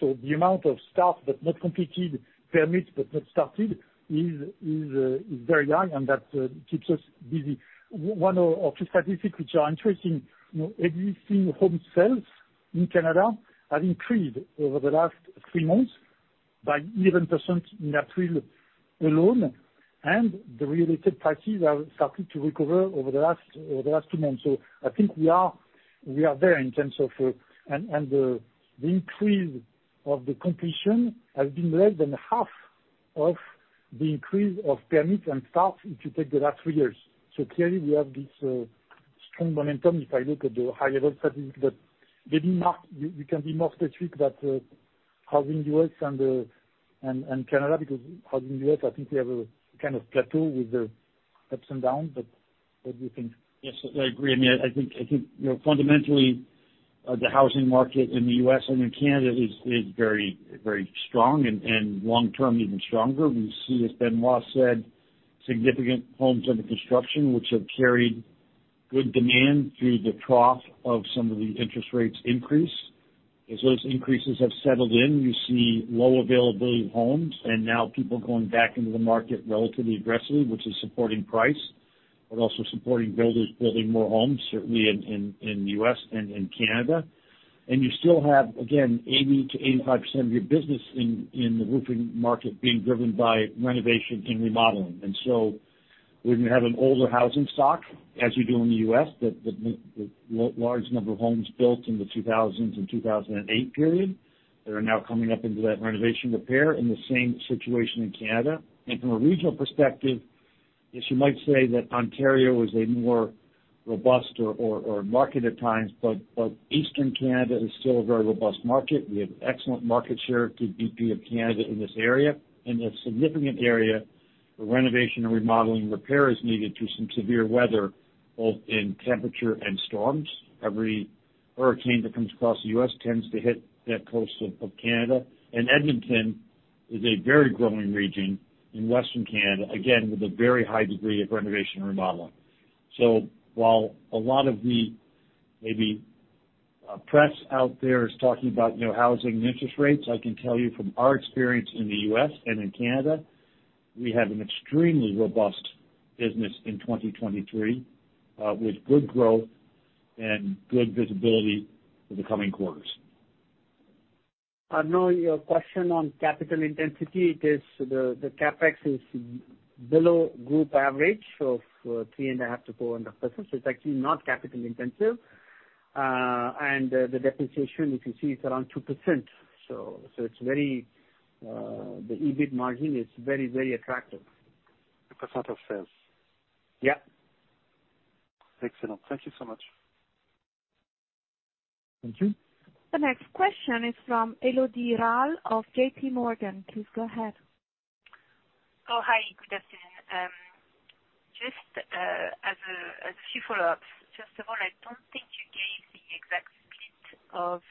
The amount of starts, but not completed, permits but not started, is very high, and that keeps us busy. 1 or 2 statistics which are interesting, you know, existing home sales in Canada have increased over the last 3 months by 11% in April alone, and the related parties are starting to recover over the last 2 months. I think we are there in terms of. The increase of the completion has been less than half of the increase of permits and starts, if you take the last 3 years. Clearly we have this strong momentum if I look at the high level statistics, but maybe Mark Rayfield, you can be more specific about how in U.S. and Canada, because how in U.S., I think we have a kind of plateau with the ups and downs. What do you think? Yes, I agree. I mean, I think, you know, fundamentally, the housing market in the U.S. and in Canada is very, very strong, and long term, even stronger. We see, as Benoit said, significant homes under construction, which have carried good demand through the trough of some of the interest rates increase. As those increases have settled in, you see low availability of homes, and now people going back into the market relatively aggressively, which is supporting price, but also supporting builders building more homes, certainly in the U.S. and in Canada. You still have, again, 80%-85% of your business in the roofing market being driven by renovation and remodeling. When you have an older housing stock, as you do in the U.S., the large number of homes built in the 2000s and 2008 period, that are now coming up into that renovation repair, in the same situation in Canada. From a regional perspective, yes, you might say that Ontario is a more robust or market at times, but Eastern Canada is still a very robust market. We have excellent market share through BP of Canada in this area, and a significant area where renovation and remodeling repair is needed due to some severe weather, both in temperature and storms. Every hurricane that comes across the U.S. tends to hit that coast of Canada. Edmonton is a very growing region in Western Canada, again, with a very high degree of renovation and remodeling. While a lot of the, maybe, press out there is talking about, you know, housing and interest rates, I can tell you from our experience in the US and in Canada, we have an extremely robust business in 2023, with good growth and good visibility for the coming quarters. I know your question on capital intensity, it is the CapEx is below group average of, 3.5%-400%, so it's actually not capital intensive. The depreciation, if you see, it's around 2%, so it's very, the EBIT margin is very attractive. % of sales. Yeah. Excellent. Thank you so much. Thank you. The next question is from Elodie Rall of JPMorgan. Please go ahead. Hi, good afternoon. Just as a few follow-ups. First of all, I don't think you gave the exact split of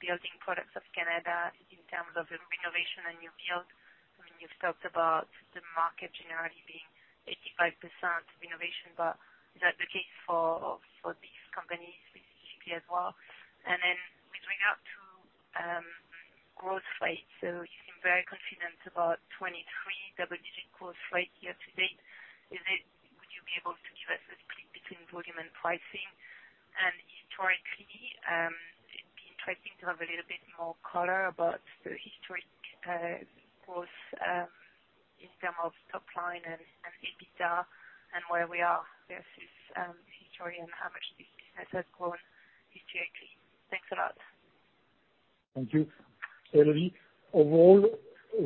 Building Products of Canada in terms of renovation and new build. I mean, you've talked about the market generally being 85% renovation, but is that the case for these companies specifically as well? Then with regard to growth rate, you seem very confident about 23 double-digit growth rate year to date. Would you be able to give us a split between volume and pricing? Historically, it'd be interesting to have a little bit more color about the historic growth in terms of top line and EBITDA and where we are versus historically and how much this has grown year to date. Thanks a lot. Thank you, Elodie. Overall,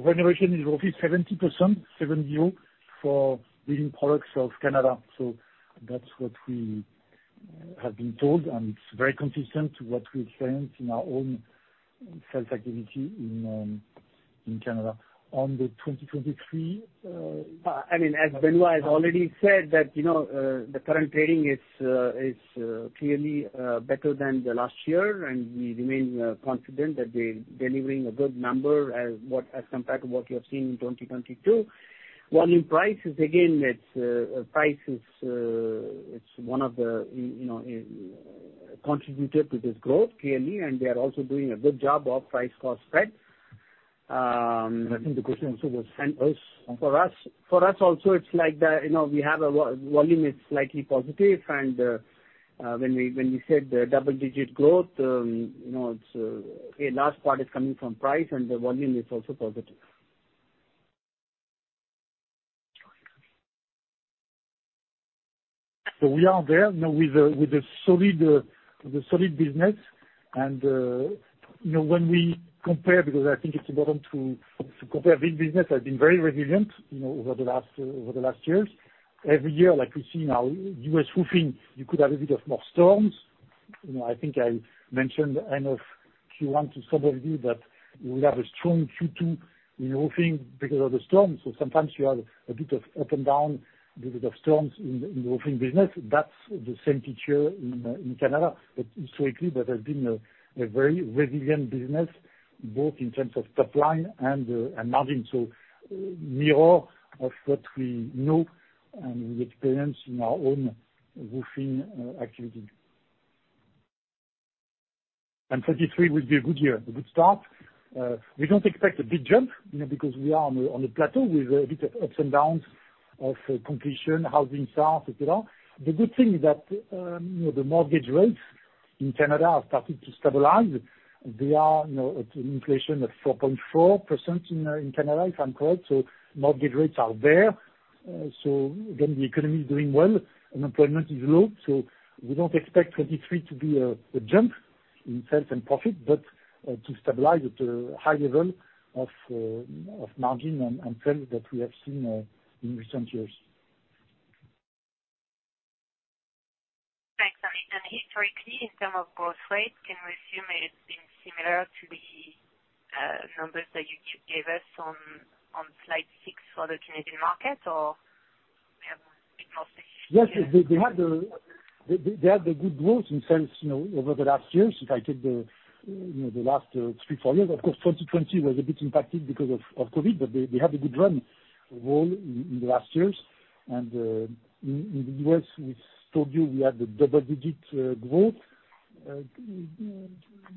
renovation is roughly 70%, 7 0, for Building Products of Canada. That's what we have been told, and it's very consistent to what we experience in our own sales activity in Canada. On the 2023. I mean, as Benoit has already said, that, you know, the current trading is clearly better than the last year. We remain confident that we're delivering a good number as compared to what you have seen in 2022. Volume price is again, it's one of the, you know, contributor to this growth, clearly. We are also doing a good job of price/cost spread. I think the question also was. For us also, it's like the, you know, we have a volume is slightly positive, and when we said the double-digit growth, you know, it's a large part is coming from price, and the volume is also positive. We are there, you know, with a solid business. You know, when we compare, because I think it's important to compare, this business has been very resilient, you know, over the last years. Every year, like we see now, U.S. roofing, you could have a bit of more storms. You know, I think I mentioned end of Q1 to some of you that we have a strong Q2 in roofing because of the storm. Sometimes you have a bit of up and down because of storms in the roofing business. That's the same picture in Canada. Historically, that has been a very resilient business, both in terms of top line and margin. Mirror of what we know and we experience in our own roofing activity. 2023 will be a good year, a good start. We don't expect a big jump, you know, because we are on a plateau with a bit of ups and downs of completion, housing starts, et cetera. The good thing is that, you know, the mortgage rates in Canada are starting to stabilize. They are, you know, at an inflation of 4.4% in Canada, if I'm correct, so mortgage rates are there. Again, the economy is doing well, unemployment is low, so we don't expect 2023 to be a jump in sales and profit, but to stabilize at a high level of margin and sales that we have seen in recent years. Thanks, historically, in term of growth rate, can we assume it's been similar to the numbers that you gave us on slide six for the Canadian market, or we have a bit more? Yes, they had the good growth in sales, you know, over the last years. If I take the, you know, the last three, four years, of course, 2020 was a bit impacted because of Covid, but they had a good run in the last years. In the U.S., we told you we had a double-digit growth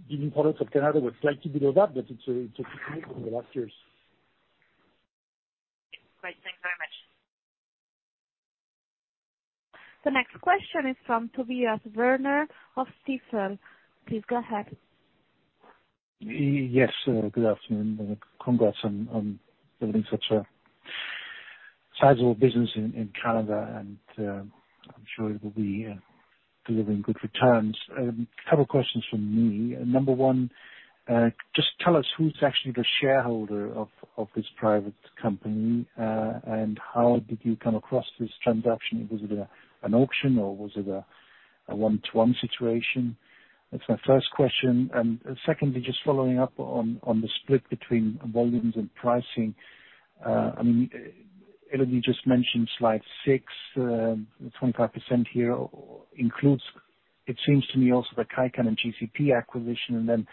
in products of Canada were slightly below that, but it's in the last years. Great. Thanks very much. The next question is from Tobias Woerner of Stifel. Please go ahead. Yes, good afternoon, and congrats on building such a sizable business in Canada, and I'm sure it will be delivering good returns. A couple questions from me. Number one, just tell us who's actually the shareholder of this private company, and how did you come across this transaction? Was it an auction, or was it a one-to-one situation? That's my first question. Secondly, just following up on the split between volumes and pricing. I mean, Elodie just mentioned slide 6, 25% here includes, it seems to me, also the Kaycan and GCP acquisition, and then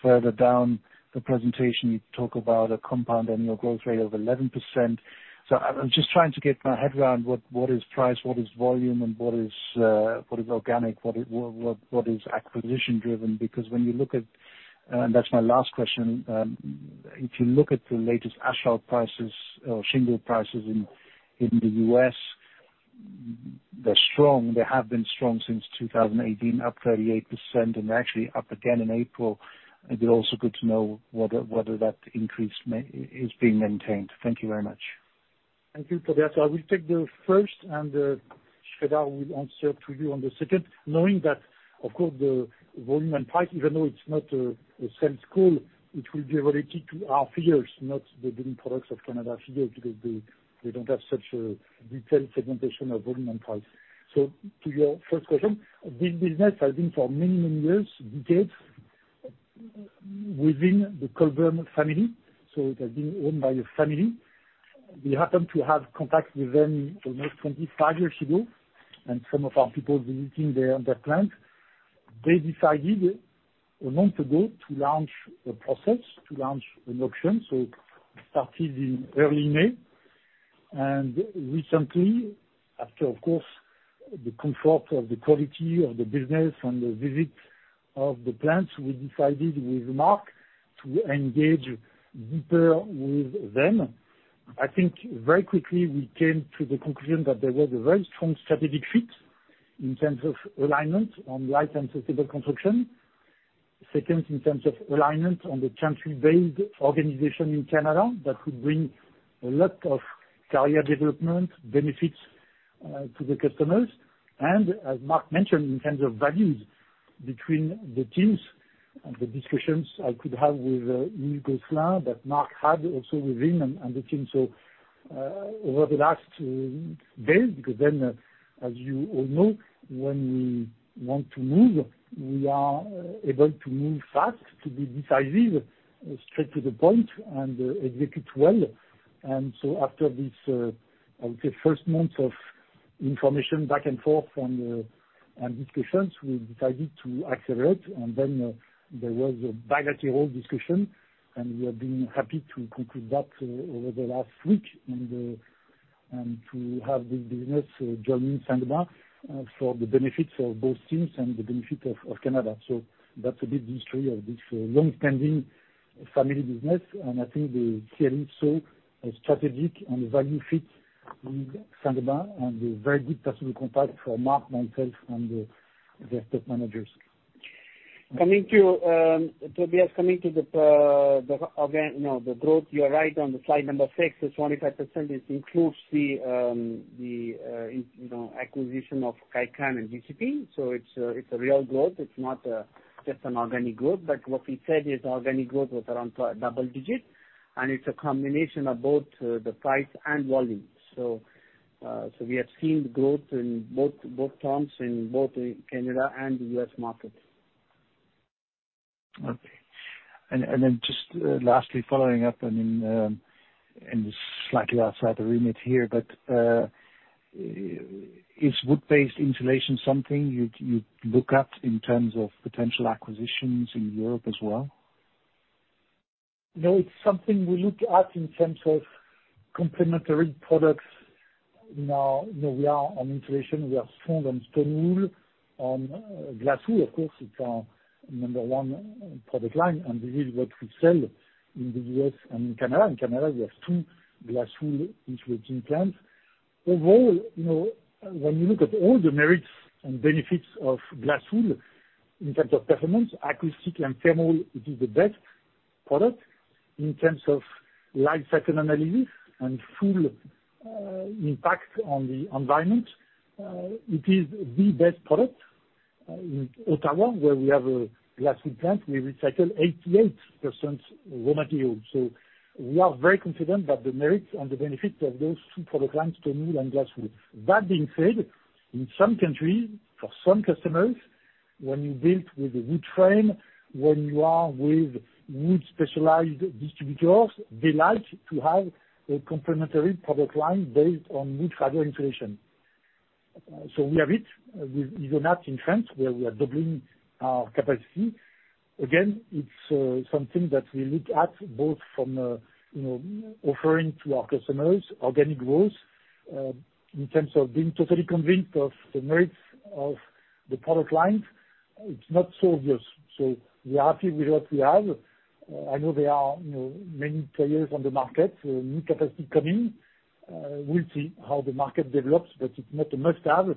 further down the presentation, you talk about a compound annual growth rate of 11%. I'm just trying to get my head around what is price, what is volume, and what is organic, what is acquisition driven? Because when you look at, and that's my last question, if you look at the latest asphalt prices or shingle prices in the U.S., they're strong, they have been strong since 2018, up 38%, and they're actually up again in April. It'd also good to know whether that increase is being maintained. Thank you very much. Thank you, Tobias. I will take the first, and sreedhar will answer to you on the second, knowing that, of course, the volume and price, even though it's not the same in scope, it will be related to our figures, not the Building Products of Canada figures, because they don't have such a detailed segmentation of volume and price. To your first question, this business has been for many, many years, decades, within the Colburn family, so it has been owned by a family. We happened to have contact with them almost 25 years ago, and some of our people visiting their plant. They decided a month ago to launch a process, to launch an auction, so started in early May. Recently, after of course, the comfort of the quality of the business and the visit of the plants, we decided with Mark to engage deeper with them. I think very quickly we came to the conclusion that there was a very strong strategic fit in terms of alignment on light and sustainable construction. Second, in terms of alignment on the country-based organization in Canada, that could bring a lot of career development benefits to the customers. As Mark mentioned, in terms of values between the teams and the discussions I could have with Nicholas Flynn, that Mark had also with him and the team. Over the last days, because then, as you all know, when we want to move, we are able to move fast, to be decisive, straight to the point, and execute well. After this, I would say first month of information back and forth from the, and discussions, we decided to accelerate, and then, there was a bilateral discussion, and we have been happy to conclude that over the last week, and to have this business join Saint-Gobain for the benefits of both teams and the benefit of Canada. That's a bit the history of this long-standing family business, and I think the selling saw a strategic and value fit with Saint-Gobain, and a very good personal contact for Mark, myself, and the stock managers. Coming to Tobias, coming to the, again, you know, the growth, you are right on the slide number 6, this 25%, it includes the, in, you know, acquisition of Kaycan and GCP. It's a real growth, it's not just an organic growth. What we said is organic growth was around double digits, and it's a combination of both the price and volume. We have seen growth in both terms in both the Canada and the U.S. market.... Okay. Just lastly, following up, I mean, and this is slightly outside the remit here, but is wood-based insulation something you'd look at in terms of potential acquisitions in Europe as well? It's something we look at in terms of complementary products. Now, you know, we are on insulation, we are strong on stone wool, on glass wool, of course, it's our number 1 product line, and this is what we sell in the U.S. and Canada. In Canada, we have 2 glass wool insulating plants. Overall, you know, when you look at all the merits and benefits of glass wool, in terms of performance, acoustic and thermal, it is the best product. In terms of life cycle analysis and full impact on the environment, it is the best product. In Ottawa, where we have a glass wool plant, we recycle 88% raw material. We are very confident about the merits and the benefits of those 2 product lines, stone wool and glass wool. That being said, in some countries, for some customers, when you build with a wood frame, when you are with wood specialized distributors, they like to have a complementary product line based on wood fiber insulation. We have it, with Isover in France, where we are doubling our capacity. Again, it's something that we look at both from a, you know, offering to our customers, organic growth, in terms of being totally convinced of the merits of the product line, it's not so obvious. We are happy with what we have. I know there are, you know, many players on the market, new capacity coming, we'll see how the market develops, it's not a must-have.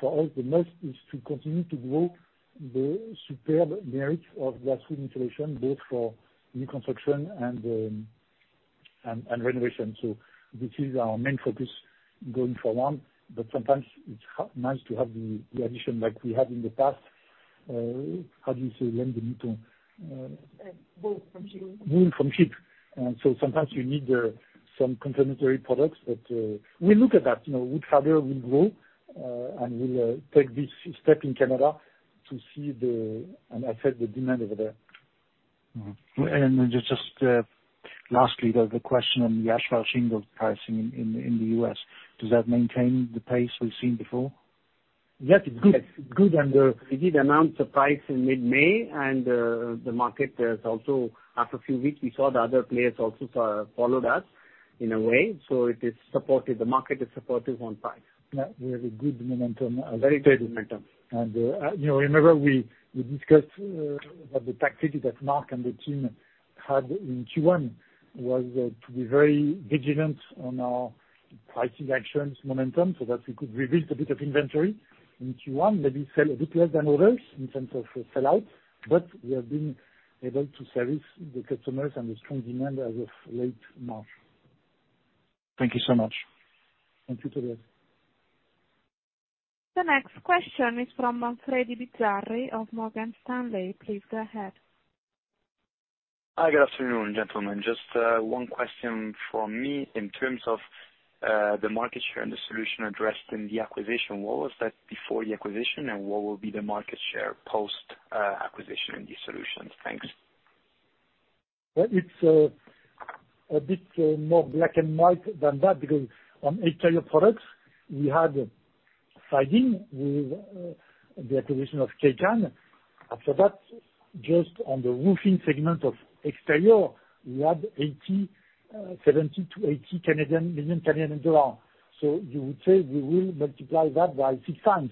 For us, the must is to continue to grow the superb merits of glass wool insulation, both for new construction and renovation. This is our main focus going forward, but sometimes it's nice to have the addition like we had in the past. How do you say? Wool from sheep. Wool from sheep. sometimes you need some complementary products, but we look at that, you know, wood fiber will grow, and we'll take this step in Canada. I said, the demand over there. Mm-hmm. Then just, lastly, though, the question on the asphalt shingle pricing in the U.S., does that maintain the pace we've seen before? Yes, it's good. Good. We did announce the price in mid-May. The market also after a few weeks, we saw the other players also followed us in a way. It is supportive. The market is supportive on price. Yeah, we have a good momentum, a very good momentum. You know, remember we discussed that the activity that Mark and the team had in Q1, was to be very vigilant on our pricing actions momentum, so that we could reduce a bit of inventory in Q1. Maybe sell a bit less than others, in terms of sell out, but we have been able to service the customers and the strong demand as of late March. Thank you so much. Thank you, Tobias. The next question is from Manfredi Bizzarri of Morgan Stanley. Please go ahead. Hi, good afternoon, gentlemen. Just 1 question from me in terms of the market share and the solution addressed in the acquisition. What was that before the acquisition, and what will be the market share post acquisition in these solutions? Thanks. Well, it's a bit more black and white than that, because on exterior products, we had siding with the acquisition of Kaycan. After that, just on the roofing segment of exterior, we had 80, 70-80 Canadian, million Canadian dollars. You would say we will multiply that by six times.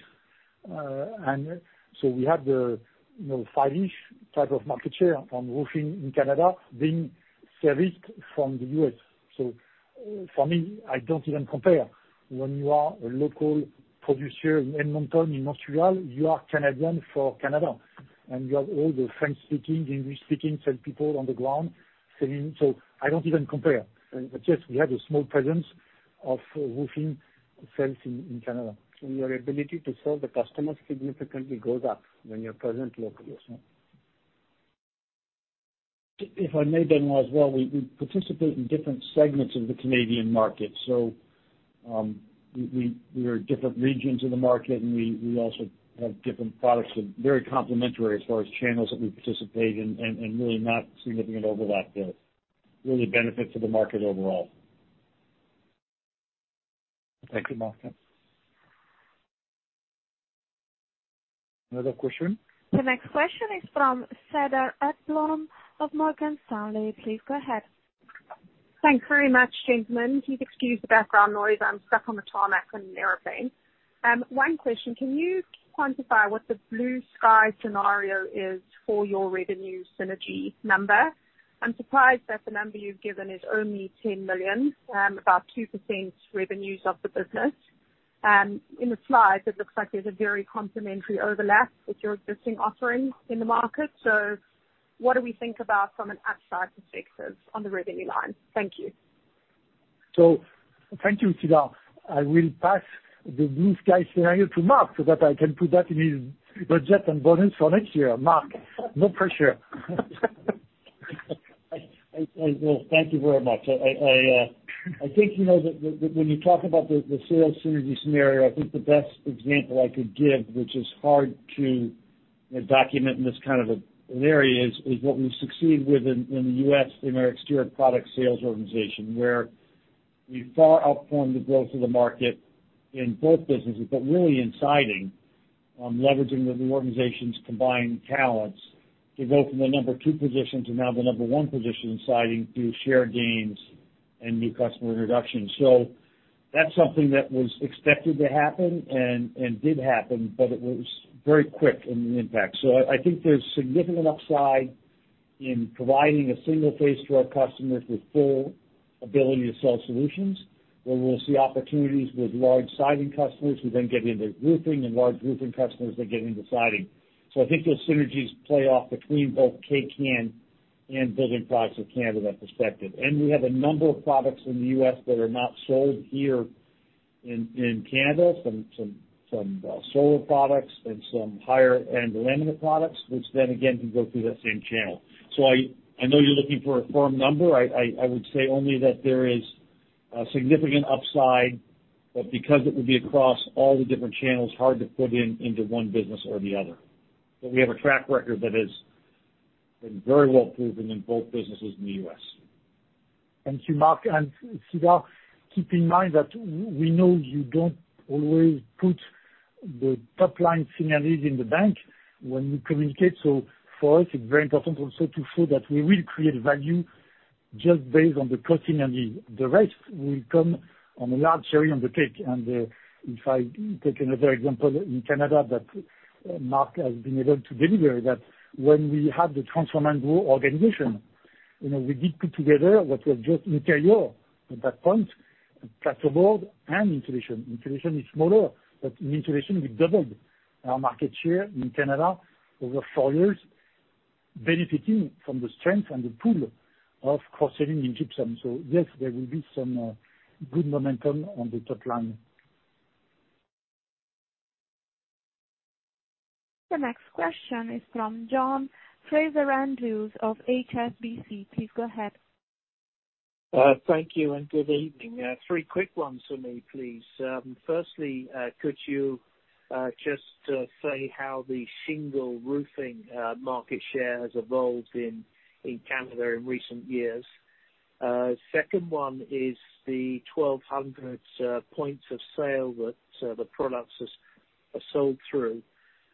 And so we have the, you know, 5-ish type of market share on roofing in Canada being serviced from the U.S. For me, I don't even compare. When you are a local producer in Edmonton, in Montreal, you are Canadian for Canada, and you have all the French-speaking, English-speaking sales people on the ground selling. I don't even compare, but just we have a small presence of roofing sales in Canada. Your ability to serve the customers significantly goes up when you're present locally. If I may, Benoit, as well, we participate in different segments of the Canadian market, so we are different regions in the market, and we also have different products that are very complementary as far as channels that we participate in, and really not significant overlap there. Really a benefit to the market overall. Thank you, Mark. Another question? The next question is from Cedar Ekblom of Morgan Stanley. Please go ahead. Thanks very much, gentlemen. Please excuse the background noise, I'm stuck on the tarmac on an airplane. One question, can you quantify what the blue sky scenario is for your revenue synergy number? I'm surprised that the number you've given is only 10 million, about 2% revenues of the business. In the slides, it looks like there's a very complementary overlap with your existing offerings in the market. What do we think about from an upside perspective on the revenue line? Thank you. Thank you, Cedar. I will pass the blue sky scenario to Mark, so that I can put that in his budget and bonus for next year. Mark, no pressure. Well, thank you very much. I think you know that when you talk about the sales synergy scenario, I think the best example I could give, which is hard to, you know, document in this kind of an area, is what we've succeeded with in the U.S. in our exterior product sales organization, where we far outperformed the growth of the market in both businesses, but really in siding, on leveraging the new organization's combined talents to go from the number 2 position to now the number 1 position in siding through share gains and new customer introductions. That's something that was expected to happen and did happen, but it was very quick in the impact. I think there's significant upside in providing a single face to our customers with full ability to sell solutions, where we'll see opportunities with large siding customers who then get into roofing, and large roofing customers that get into siding. I think those synergies play off between both Kaycan and Building Products of Canada perspective. We have a number of products in the U.S. that are not sold here in Canada, some solar products and some higher end laminate products, which then again, can go through that same channel. I know you're looking for a firm number. I would say only that there is a significant upside, but because it would be across all the different channels, hard to put into one business or the other. we have a track record that has been very well proven in both businesses in the U.S. Thank you, Mark. Cedar, keep in mind that we know you don't always put the top line synergies in the bank when you communicate, so for us, it's very important also to show that we will create value just based on the cost synergy. The rest will come on a large cherry on the cake. If I take another example in Canada that Mark Rayfield has been able to deliver, that when we had the Transform and Grow organization, you know, we did put together what was just interior at that point, plasterboard and insulation. Insulation is smaller, but in insulation, we doubled our market share in Canada over four years, benefiting from the strength and the pool of cross-selling in gypsum. Yes, there will be some good momentum on the top line. The next question is from John Fraser-Andrews of HSBC. Please go ahead. Thank you, good evening. 3 quick ones for me, please. Firstly, could you just say how the shingle roofing market share has evolved in Canada in recent years? Second one is the 1,200 points of sale that the products are sold through.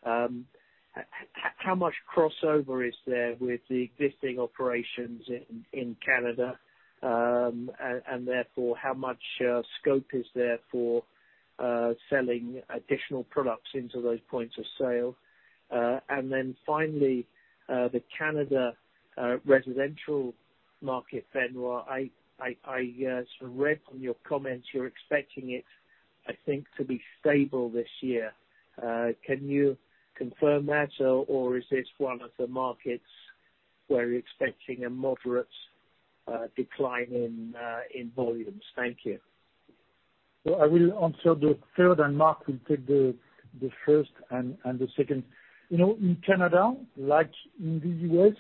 How much crossover is there with the existing operations in Canada? Therefore, how much scope is there for selling additional products into those points of sale? Finally, the Canada residential market, Benoit, I sort of read from your comments, you're expecting it, I think, to be stable this year. Can you confirm that, or is this one of the markets where you're expecting a moderate decline in volumes? Thank you. I will answer the third, and Mark will take the first and the second. You know, in Canada, like in the U.S.,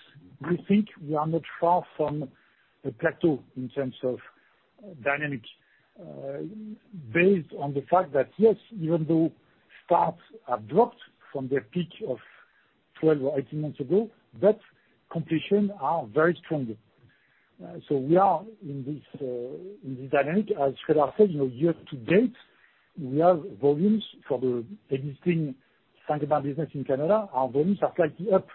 we think we are not far from a plateau in terms of dynamics. Based on the fact that yes, even though starts have dropped from their peak of 12 or 18 months ago, but completions are very strong. We are in this dynamic, a Sreedhar said, you know, year to date, we have volumes for the existing Saint-Gobain business in Canada, our volumes are slightly up.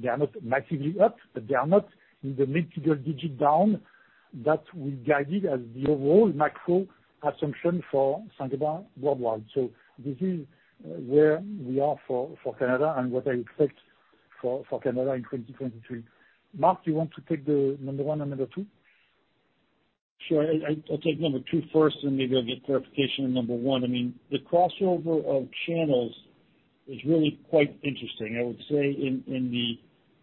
They are not massively up, but they are not in the mid-single digit down that we guided as the overall macro assumption for Saint-Gobain worldwide. This is where we are for Canada and what I expect for Canada in 2023. Mark, do you want to take the number one and number two? Sure. I'll take number two first. Maybe I'll get clarification on number one. I mean, the crossover of channels is really quite interesting. I would say in the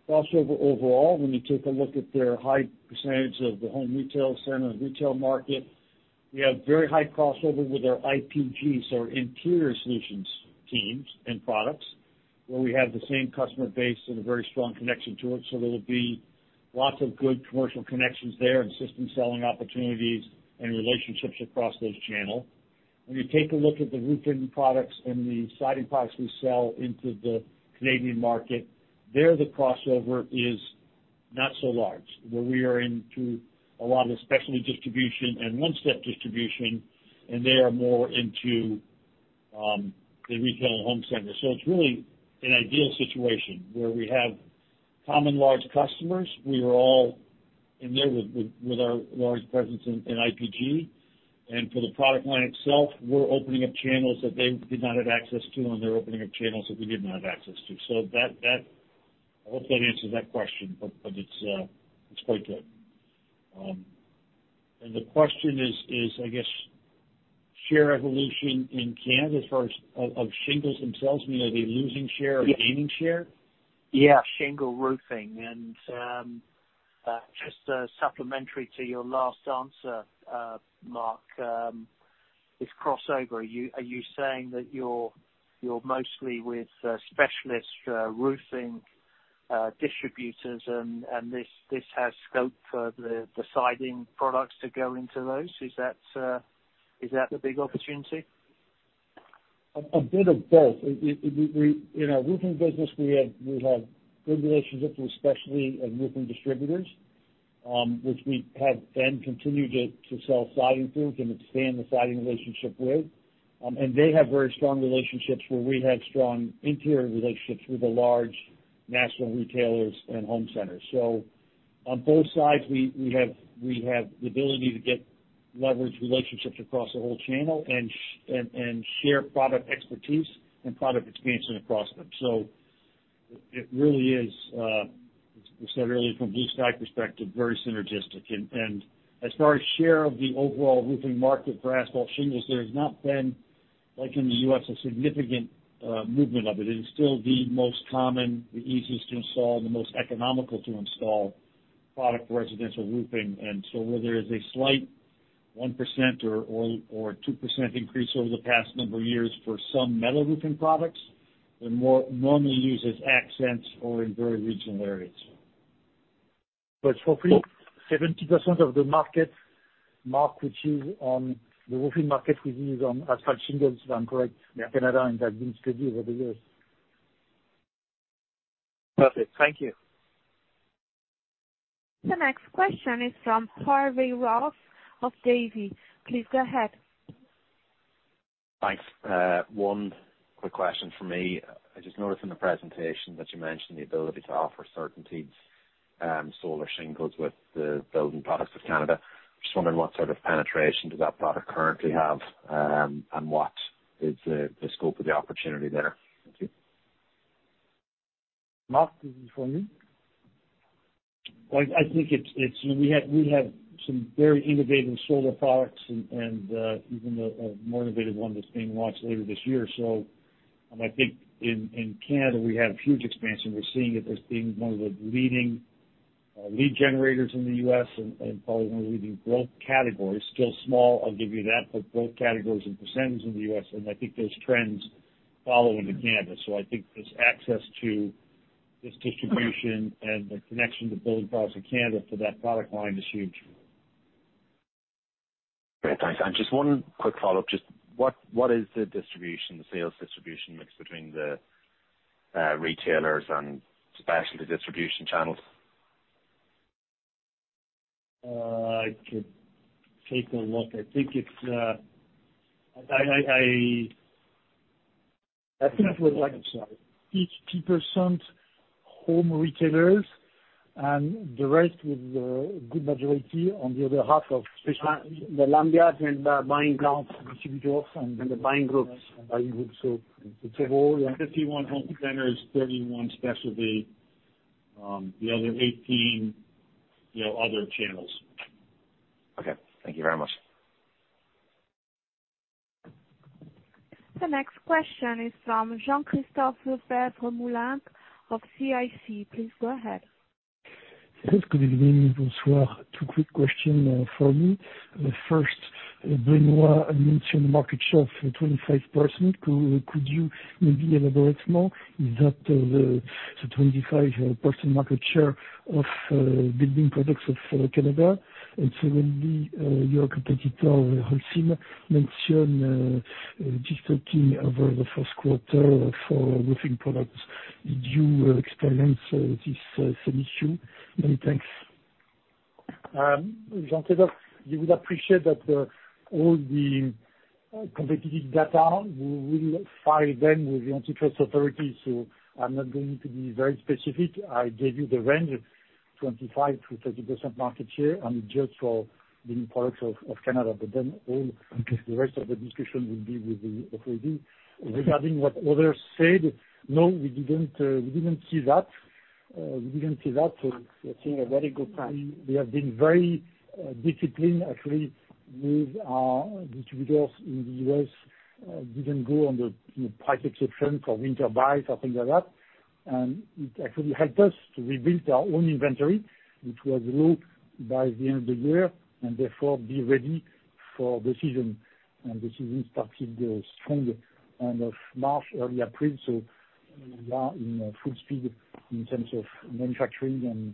crossover overall, when you take a look at their high percentage of the home retail center and retail market, we have very high crossover with our IPGs, our interior solutions teams and products, where we have the same customer base and a very strong connection to it. There will be lots of good commercial connections there, system selling opportunities and relationships across those channel. When you take a look at the roofing products and the siding products we sell into the Canadian market, there, the crossover is not so large, where we are into a lot of specialty distribution and one-step distribution, they are more into the retail and home center. It's really an ideal situation where we have common large customers, we are all in there with our large presence in IPG. For the product line itself, we're opening up channels that they did not have access to, and they're opening up channels that we did not have access to. That, I hope that answers that question, but it's quite good. The question is I guess, share evolution in Canada for shingles themselves, I mean, are they losing share or gaining share? Yeah, shingle roofing. Just, supplementary to your last answer, Mark. This crossover, are you saying that you're mostly with, specialist, roofing, distributors and, this has scope for the siding products to go into those? Is that, is that the big opportunity? A bit of both. It, we, in our roofing business, we have good relationships with specialty and roofing distributors, which we have then continued to sell siding through, to expand the siding relationship with. They have very strong relationships where we have strong interior relationships with the large national retailers and home centers. On both sides, we have the ability to get leverage relationships across the whole channel and share product expertise and product expansion across them. It really is, as I said earlier, from BlueStack perspective, very synergistic. As far as share of the overall roofing market for asphalt shingles, there has not been, like in the US, a significant movement of it. It is still the most common, the easiest to install, and the most economical to install product for residential roofing. Where there is a slight 1% or 2% increase over the past number of years for some metal roofing products, they're more normally used as accents or in very regional areas. 70% of the market, Mark, which is on the roofing market, which is on asphalt shingles, if I'm correct. Yeah. Canada, and that's been steady over the years. Perfect. Thank you. The next question is from Harvey Roth of Davy. Please go ahead. Thanks. One quick question from me. I just noticed in the presentation that you mentioned the ability to offer CertainTeed solar shingles with the Building Products of Canada. Just wondering what sort of penetration does that product currently have, and what is the scope of the opportunity there? Thank you. Mark, this is for you. Well, I think it's, you know, we have some very innovative solar products and even a more innovative one that's being launched later this year. I think in Canada, we have huge expansion. We're seeing it as being one of the leading lead generators in the US and probably one of the leading growth categories. Still small, I'll give you that, but growth categories and percentages in the US, and I think those trends follow into Canada. I think this access to this distribution and the connection to Building Products of Canada for that product line is huge. Great, thanks. Just one quick follow-up. What is the distribution, the sales distribution mix between the retailers and specialty distribution channels? I could take a look. I think it was like 60% home retailers, and the rest with the good majority on the other half of the Lambiat and the buying groups, distributors, and then the buying groups, I would say. 51 home centers, 31 specialty, the other 18, you know, other channels. Okay. Thank you very much. The next question is from Jean-Christophe Lefèvre-Moulenq of CIC. Please go ahead. Yes, good evening, bonsoir. Two quick question from me. The first, Benoit mentioned market share for 25%. Could you maybe elaborate more? Is that the 25% market share of Building Products of Canada? Secondly, your competitor, Holcim, mentioned just talking over the first quarter for roofing products. Did you experience this same issue? Many thanks. Jean-Christopher, you would appreciate that all the competitive data, we really file them with the antitrust authorities, so I'm not going to be very specific. I gave you the range of 25%-30% market share, and just for Building Products of Canada. Okay... the rest of the discussion will be with the authority. Regarding what others said, no, we didn't see that. Very good time.... We have been very disciplined, actually, with our distributors in the U.S. didn't go on the, you know, price exception for winter buys or things like that. It actually helped us to rebuild our own inventory, which was low by the end of the year, and therefore be ready for the season, and the season started strong end of March, early April. We are in full speed in terms of manufacturing and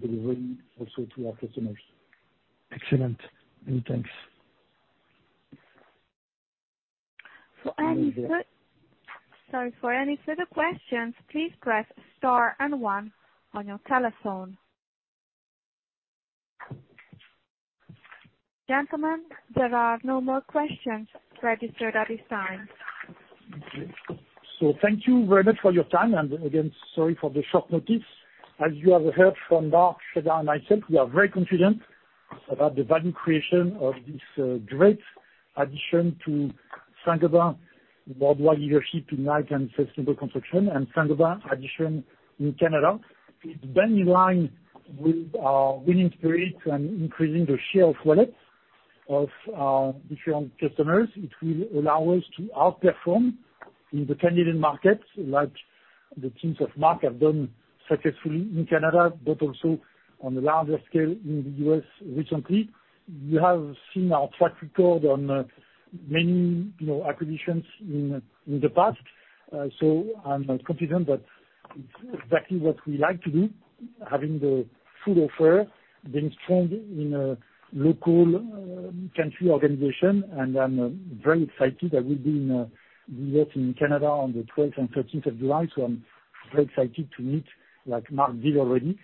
delivering also to our customers. Excellent. Many thanks. Sorry, for any further questions, please press star and one on your telephone. Gentlemen, there are no more questions registered at this time. Thank you very much for your time, and again, sorry for the short notice. As you have heard from Mark, Sreedhar, and myself, we are very confident about the value creation of this great addition to Saint-Gobain worldwide leadership in light and sustainable construction, and Saint-Gobain addition in Canada. It's been in line with our winning spirit and increasing the share of wallet of our different customers. It will allow us to outperform in the Canadian market, like the teams of Mark have done successfully in Canada, but also on a larger scale in the US recently. You have seen our track record on many, you know, acquisitions in the past, so I'm confident that it's exactly what we like to do, having the full offer, being strong in a local country organization. I'm very excited. I will be in U.S. and Canada on the 12th and 13th of July, so I'm very excited to meet, like Mark did already,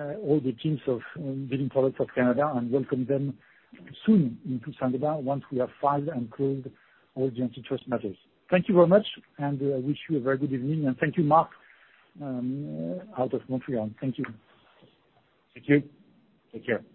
all the teams of Building Products of Canada, and welcome them soon into Saint-Gobain once we have filed and closed all the antitrust matters. Thank you very much, and wish you a very good evening, and thank you, Mark, out of Montreal. Thank you. Thank you. Take care.